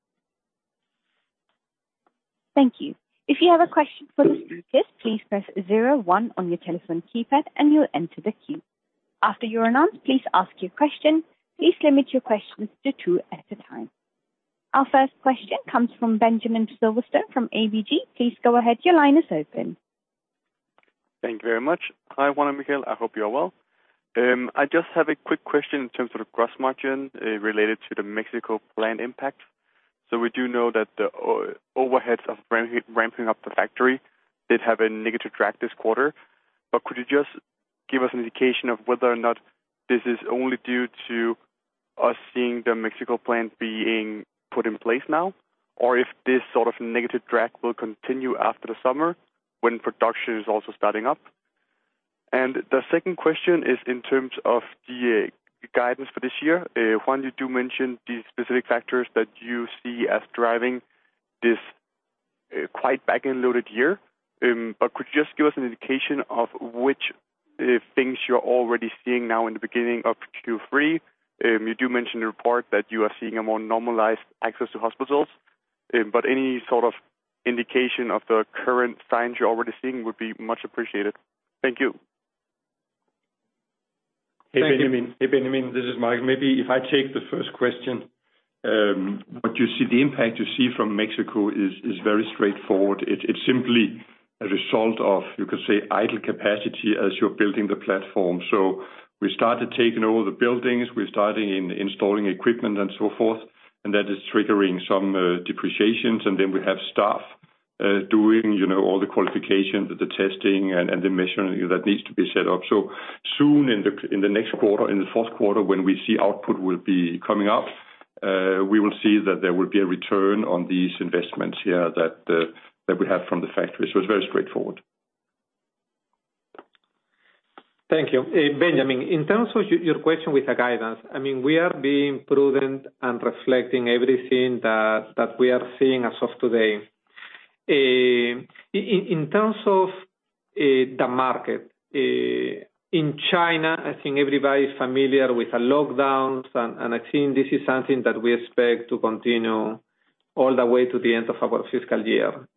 Thank you. If you have a question for the speakers, please press zero one on your telephone keypad and you'll enter the queue. After you're announced, please ask your question. Please limit your questions to two at a time. Our first question comes from Benjamin Silverstone from ABG. Please go ahead. Your line is open. Thank you very much. Hi, Juan-José Gonzalez. I hope you are well. I just have a quick question in terms of the gross margin related to the Mexico plant impact. We do know that the overheads of ramping up the factory did have a negative drag this quarter. Could you just give us an indication of whether or not this is only due to us seeing the Mexico plant being put in place now, or if this sort of negative drag will continue after the summer when production is also starting up? The second question is in terms of the guidance for this year. Juan, you do mention the specific factors that you see as driving this quite back-end loaded year. Could you just give us an indication of which things you're already seeing now in the beginning of Q3? You do mention in the report that you are seeing a more normalized access to hospitals, but any sort of indication of the current signs you're already seeing would be much appreciated. Thank you. Thank you. Hey, Benjamin, this is Michael. Maybe if I take the first question. What you see, the impact you see from Mexico, is very straightforward. It's simply a result of, you could say, idle capacity as you're building the platform. We started taking over the buildings. We're starting and installing equipment and so forth, and that is triggering some depreciations. Then we have staff doing, you know, all the qualifications, the testing and the measuring that needs to be set up. Soon in the next quarter, in the fourth quarter when we see output will be coming up, we will see that there will be a return on these investments here that we have from the factory. It's very straightforward. Thank you. Benjamin, in terms of your question with the guidance, I mean, we are being prudent and reflecting everything that we are seeing as of today. In terms of the market in China, I think everybody is familiar with the lockdowns and I think this is something that we expect to continue all the way to the end of our fiscal year.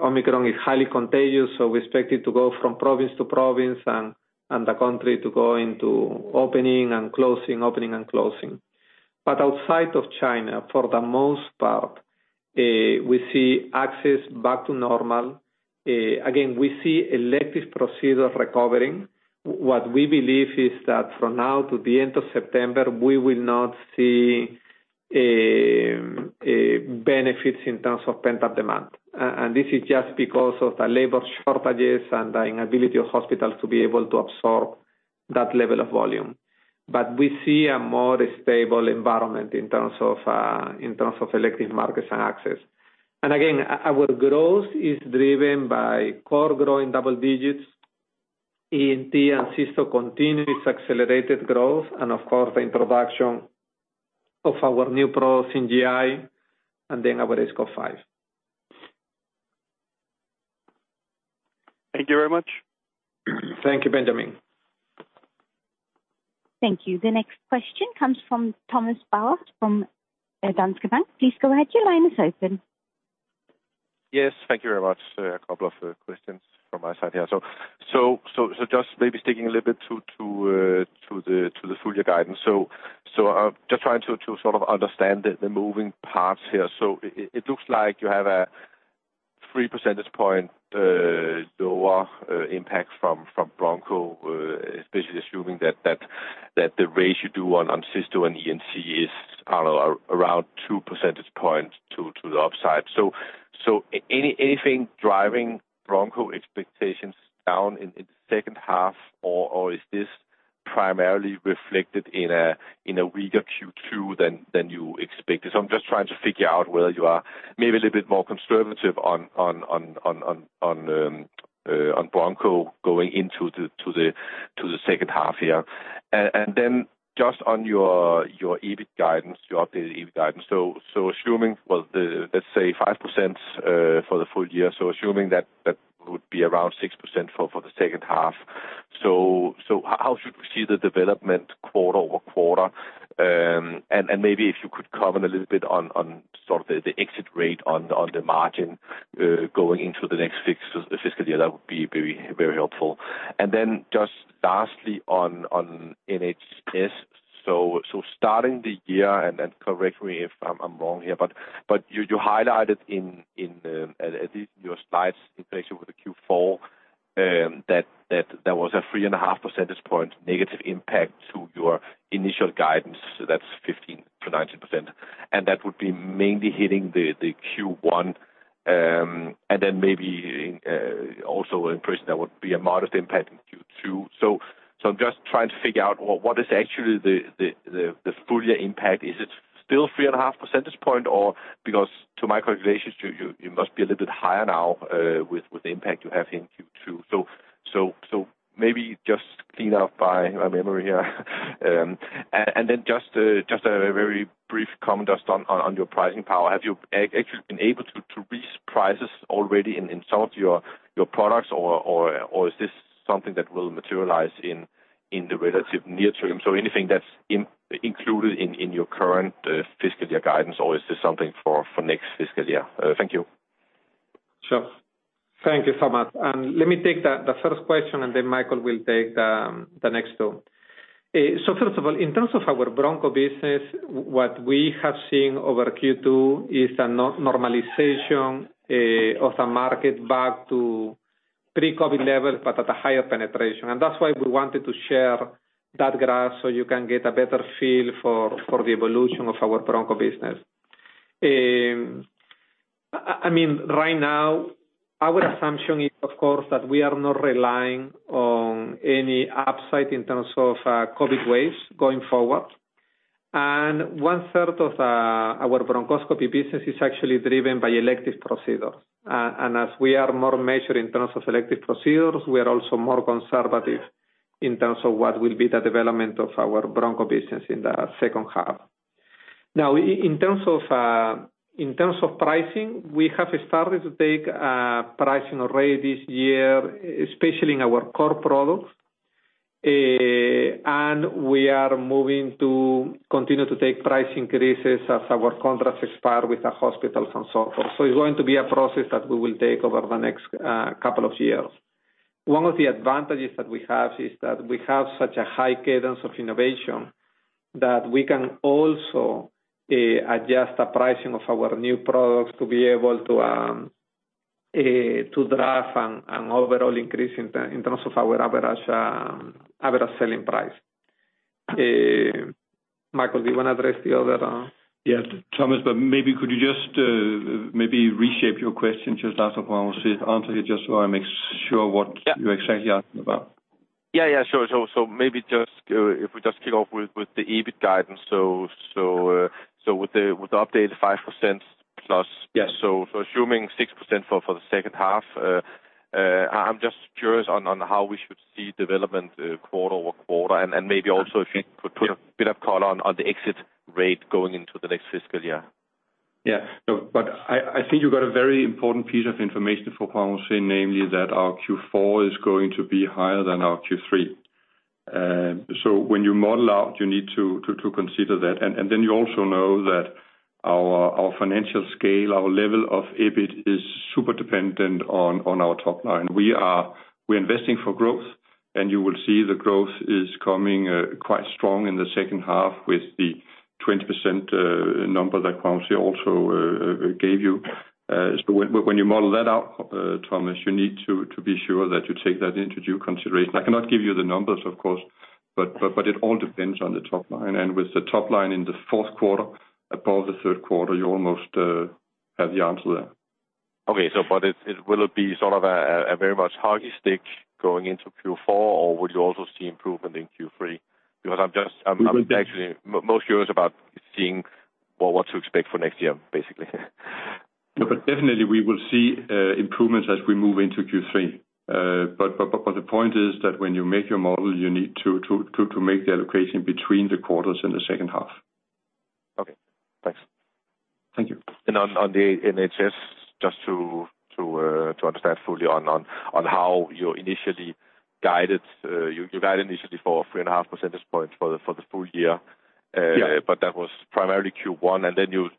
Omicron is highly contagious, so we expect it to go from province to province and the country to go into opening and closing, opening and closing. Outside of China, for the most part, we see access back to normal. Again, we see elective procedures recovering. What we believe is that from now to the end of September, we will not see benefits in terms of pent-up demand. This is just because of the labor shortages and the inability of hospitals to be able to absorb that level of volume. We see a more stable environment in terms of, in terms of elective markets and access. Again, our growth is driven by core growing double digits, ENT and Cysto continue its accelerated growth, and of course the introduction of our new products in GI and then our aScope 5. Thank you very much. Thank you, Benjamin. Thank you. The next question comes from Thomas Bowers from Danske Bank. Please go ahead. Your line is open. Yes. Thank you very much. A couple of questions from my side here. Just maybe sticking a little bit to the full year guidance. Just trying to sort of understand the moving parts here. It looks like you have a 3 percentage point lower impact from Broncho, especially assuming that the rebound on Cysto and ENT is, I don't know, around two percentage points to the upside. Anything driving Broncho expectations down in the second half or is this primarily reflected in a weaker Q2 than you expected? I'm just trying to figure out whether you are maybe a little bit more conservative on Broncho going into the second half here. Then just on your EBIT guidance, your updated EBIT guidance. Assuming, well, the, let's say 5% for the full year, assuming that that would be around 6% for the second half. How should we see the development quarter-over-quarter? Maybe if you could comment a little bit on sort of the exit rate on the margin going into the next fiscal year, that would be very helpful. Then just lastly on NHS. Starting the year, correct me if I'm wrong here, but you highlighted in at least your slides presentation with the Q4 that there was a 3.5 percentage point negative impact to your initial guidance. That's 15%-19%. That would be mainly hitting the Q1, and then maybe also impacting, that would be a modest impact in Q2. I'm just trying to figure out what is actually the full year impact. Is it still 3.5 percentage points or because to my calculations, you must be a little bit higher now with the impact you have in Q2. Maybe just clean up my memory here. Just a very brief comment just on your pricing power. Have you actually been able to raise prices already in some of your products or is this something that will materialize in the relative near term? Anything that's included in your current fiscal year guidance or is this something for next fiscal year? Thank you. Sure. Thank you so much. Let me take the first question and then Michael will take the next two. First of all, in terms of our broncho business, what we have seen over Q2 is a normalization of the market back to pre-COVID levels but at a higher penetration. That's why we wanted to share that graph so you can get a better feel for the evolution of our broncho business. I mean, right now our assumption is of course that we are not relying on any upside in terms of COVID waves going forward. One third of our bronchoscopy business is actually driven by elective procedures. As we are more measured in terms of selective procedures, we are also more conservative in terms of what will be the development of our broncho business in the second half. In terms of pricing, we have started to take pricing already this year, especially in our core products. We are moving to continue to take price increases as our contracts expire with the hospitals and so forth. It's going to be a process that we will take over the next couple of years. One of the advantages that we have is that we have such a high cadence of innovation that we can also adjust the pricing of our new products to be able to drive an overall increase in terms of our average selling price. Michael, do you wanna address the other? Yeah, Thomas, but maybe could you just maybe reshape your question just as Juan-José answered it, just so I make sure what- Yeah. You're exactly asking about. Yeah. Sure. If we just kick off with the EBIT guidance. With the updated 5%+. Yes. Assuming 6% for the second half, I'm just curious on how we should see development quarter-over-quarter. Maybe also if you could put a bit of color on the exit rate going into the next fiscal year. Yeah. I think you got a very important piece of information for Juan-José Gonzalez, namely that our Q4 is going to be higher than our Q3. When you model out, you need to consider that. You also know that our financial scale, our level of EBIT is super dependent on our top line. We're investing for growth, and you will see the growth is coming quite strong in the second half with the 20% number that Juan-José Gonzalez also gave you. When you model that out, Thomas, you need to be sure that you take that into due consideration. I cannot give you the numbers, of course, but it all depends on the top line. With the top line in the fourth quarter above the third quarter, you almost have the answer there. Will it be sort of a very much hockey stick going into Q4, or would you also see improvement in Q3? Because I'm actually most curious about seeing what to expect for next year, basically. No, definitely we will see improvements as we move into Q3. The point is that when you make your model, you need to make the allocation between the quarters in the second half. Okay. Thanks. Thank you. On the NHS, just to understand fully on how you initially guided, you guided initially for 3.5 percentage points for the full year. Yeah. That was primarily Q1, and then you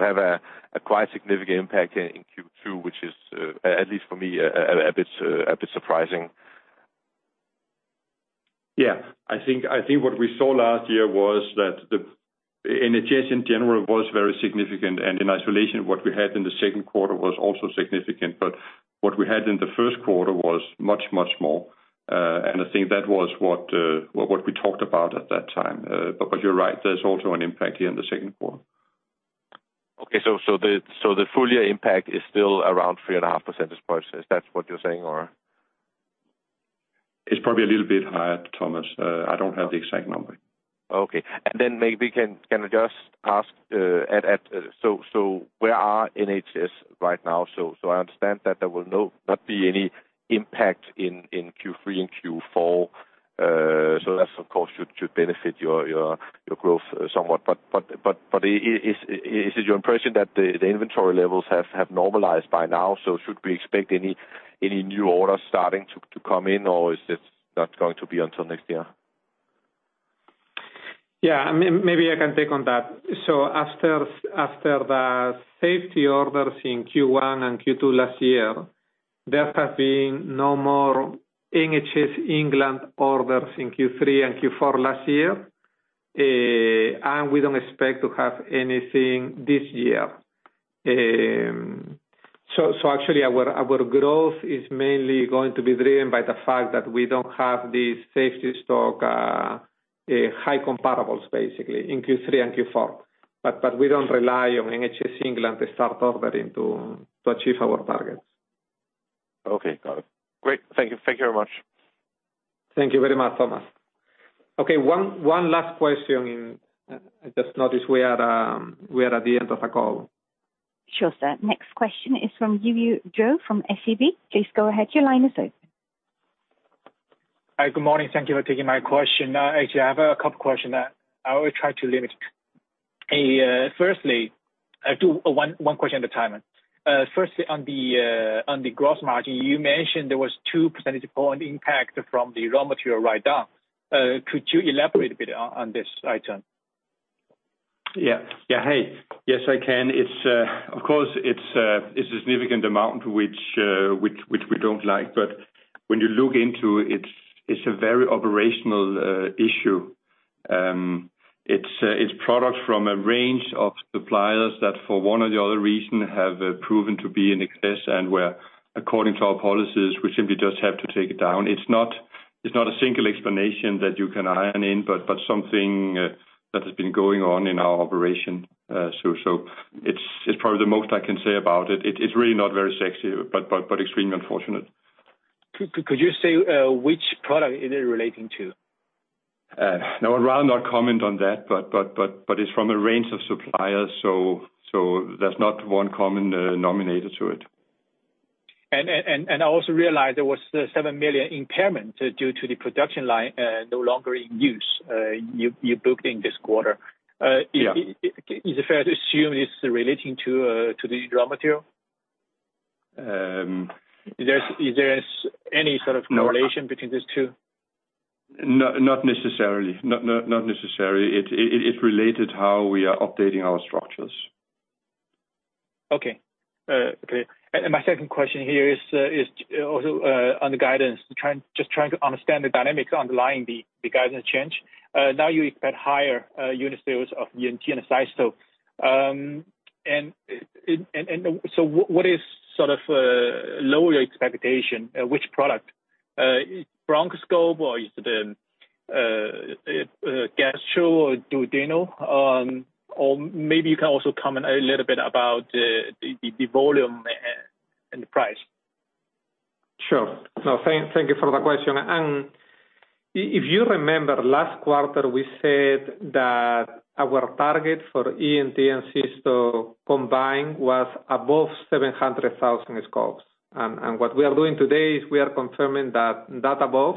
have a quite significant impact in Q2, which is at least for me a bit surprising. Yeah. I think what we saw last year was that the NHS in general was very significant, and in isolation what we had in the second quarter was also significant. What we had in the first quarter was much, much more. I think that was what we talked about at that time. You're right, there's also an impact here in the second quarter. The full year impact is still around 3.5 percentage points. Is that what you're saying or? It's probably a little bit higher, Thomas. I don't have the exact number. Okay. Maybe I can just ask where NHS is right now? I understand that there will not be any impact in Q3 and Q4. That of course should benefit your growth somewhat. Is it your impression that the inventory levels have normalized by now? Should we expect any new orders starting to come in, or is this not going to be until next year? Yeah. Maybe I can take on that. After the safety orders in Q1 and Q2 last year, there have been no more NHS England orders in Q3 and Q4 last year. We don't expect to have anything this year. Actually, our growth is mainly going to be driven by the fact that we don't have the safety stock, high comparables basically in Q3 and Q4. We don't rely on NHS England to start ordering to achieve our targets. Okay. Got it. Great. Thank you. Thank you very much. Thank you very much, Thomas. Okay, one last question, and I just noticed we are at the end of our call. Sure, sir. Next question is from Yiwei Zhou from SEB. Please go ahead. Your line is open. Good morning. Thank you for taking my question. Actually, I have a couple question. I will try to limit. One question at a time. Firstly, on the gross margin, you mentioned there was 2 percentage point impact from the raw material write-down. Could you elaborate a bit on this item? Yes, I can. It's of course a significant amount which we don't like, but when you look into it's a very operational issue. It's products from a range of suppliers that for one reason or another have proven to be in excess and where according to our policies, we simply just have to write it down. It's not a single explanation that you can iron out, but something that has been going on in our operation. It's probably the most I can say about it. It's really not very sexy, but extremely unfortunate. Could you say which product is it relating to? No, I'd rather not comment on that, but it's from a range of suppliers, so that's not one common denominator to it. I also realized there was the 7 million impairment due to the production line no longer in use you booked in this quarter. Yeah. Is it fair to assume it's relating to the raw material? Um... Is there any sort of correlation between these two? No. Not necessarily. It related how we are updating our structures. Okay. Okay. My second question here is also on the guidance. Just trying to understand the dynamics underlying the guidance change. Now you expect higher unit sales of ENT and Cysto. And so what is sort of lower your expectation, which product? Bronchoscope or is it, gastro or Duodeno? Or maybe you can also comment a little bit about the volume and the price. Sure. No, thank you for the question. If you remember last quarter, we said that our target for ENT and Cysto combined was above 700,000 scopes. What we are doing today is we are confirming that that above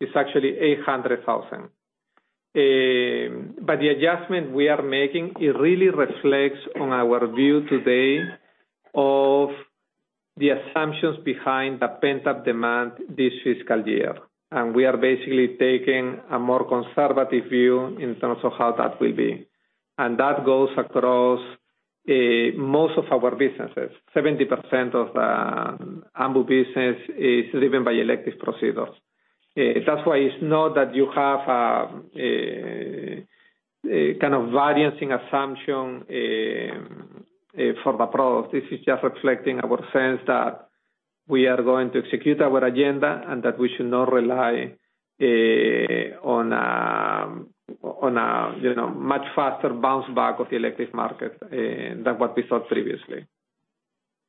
is actually 800,000. But the adjustment we are making, it really reflects on our view today of the assumptions behind the pent-up demand this fiscal year. We are basically taking a more conservative view in terms of how that will be. That goes across most of our businesses. 70% of Ambu business is driven by elective procedures. That's why it's not that you have a kind of variance assumption for the product. This is just reflecting our sense that we are going to execute our agenda, and that we should not rely on a, you know, much faster bounce back of the elective market than what we thought previously.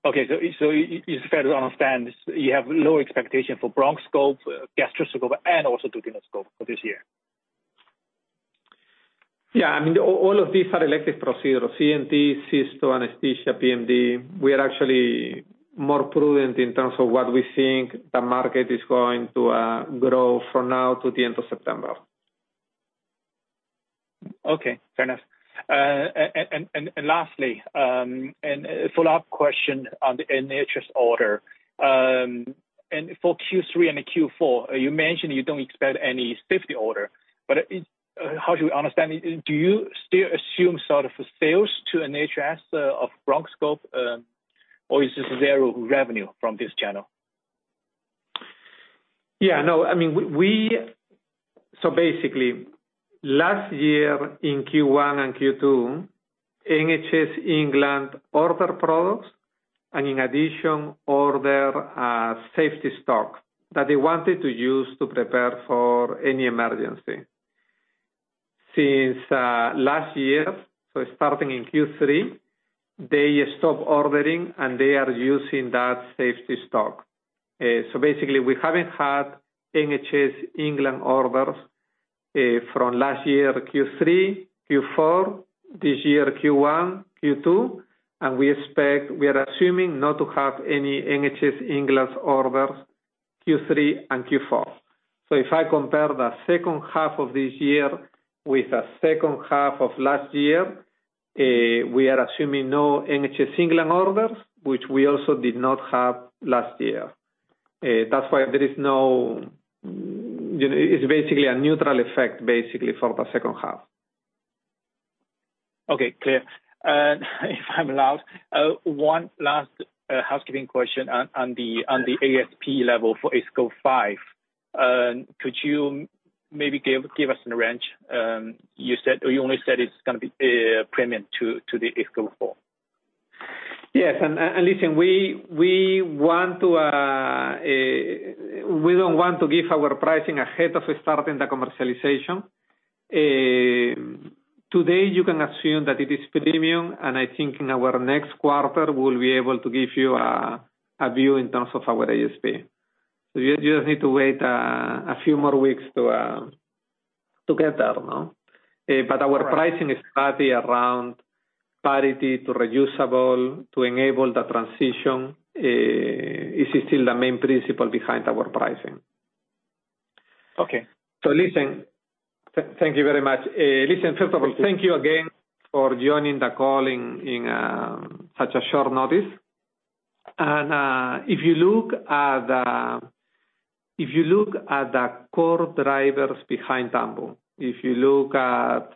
Is it fair to understand you have low expectation for bronchoscope, gastroscope, and also duodenoscope for this year? I mean, all of these are elective procedures, ENT, Cysto, anesthesia, PMD. We are actually more prudent in terms of what we think the market is going to grow from now to the end of September. Okay. Fair enough. Lastly, a follow-up question on the NHS order. For Q3 and Q4, you mentioned you don't expect any safety order, but how should we understand it? Do you still assume sort of sales to NHS of bronchoscope? Is this zero revenue from this channel? Yeah. No, I mean, we basically last year in Q1 and Q2, NHS England ordered products, and in addition, ordered safety stock that they wanted to use to prepare for any emergency. Since last year, so starting in Q3, they stopped ordering, and they are using that safety stock. Basically we haven't had NHS England orders from last year Q3, Q4, this year Q1, Q2, and we are assuming not to have any NHS England orders Q3 and Q4. If I compare the second half of this year with the second half of last year, we are assuming no NHS England orders, which we also did not have last year. That's why there is no, you know. It's basically a neutral effect, basically, for the second half. Okay. Clear. If I'm allowed, one last housekeeping question on the ASP level for aScope 5, could you maybe give us a range? You said, or you only said it's gonna be premium to the aScope 4. Yes. Listen, we don't want to give our pricing ahead of starting the commercialization. Today you can assume that it is premium, and I think in our next quarter we'll be able to give you a view in terms of our ASP. You just need to wait a few more weeks to get that. No? Our pricing is hardly around parity to reusable to enable the transition. This is still the main principle behind our pricing. Okay. Thank you very much. Listen, first of all, thank you again for joining the call in such a short notice. If you look at the core drivers behind Ambu, if you look at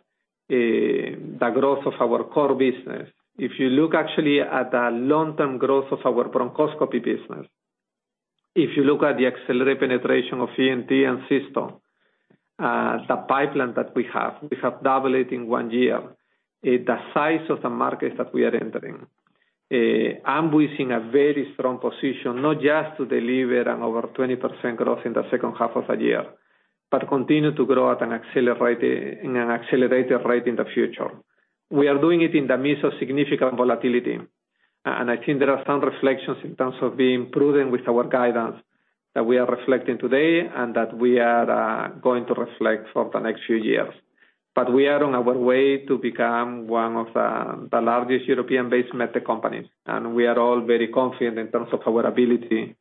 the growth of our core business, if you look actually at the long-term growth of our bronchoscopy business, if you look at the accelerated penetration of ENT and Cysto, the pipeline that we have, we have doubled it in one year. The size of the market that we are entering, Ambu is in a very strong position, not just to deliver over 20% growth in the second half of the year, but to continue to grow at an accelerated rate in the future. We are doing it in the midst of significant volatility. I think there are some reflections in terms of being prudent with our guidance that we are reflecting today and that we are going to reflect for the next few years. We are on our way to become one of the largest European-based med tech companies, and we are all very confident in terms of our ability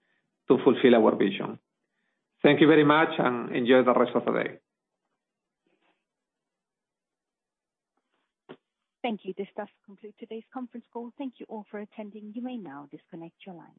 to fulfill our vision. Thank you very much, and enjoy the rest of the day. Thank you. This does conclude today's conference call. Thank you all for attending. You may now disconnect your line.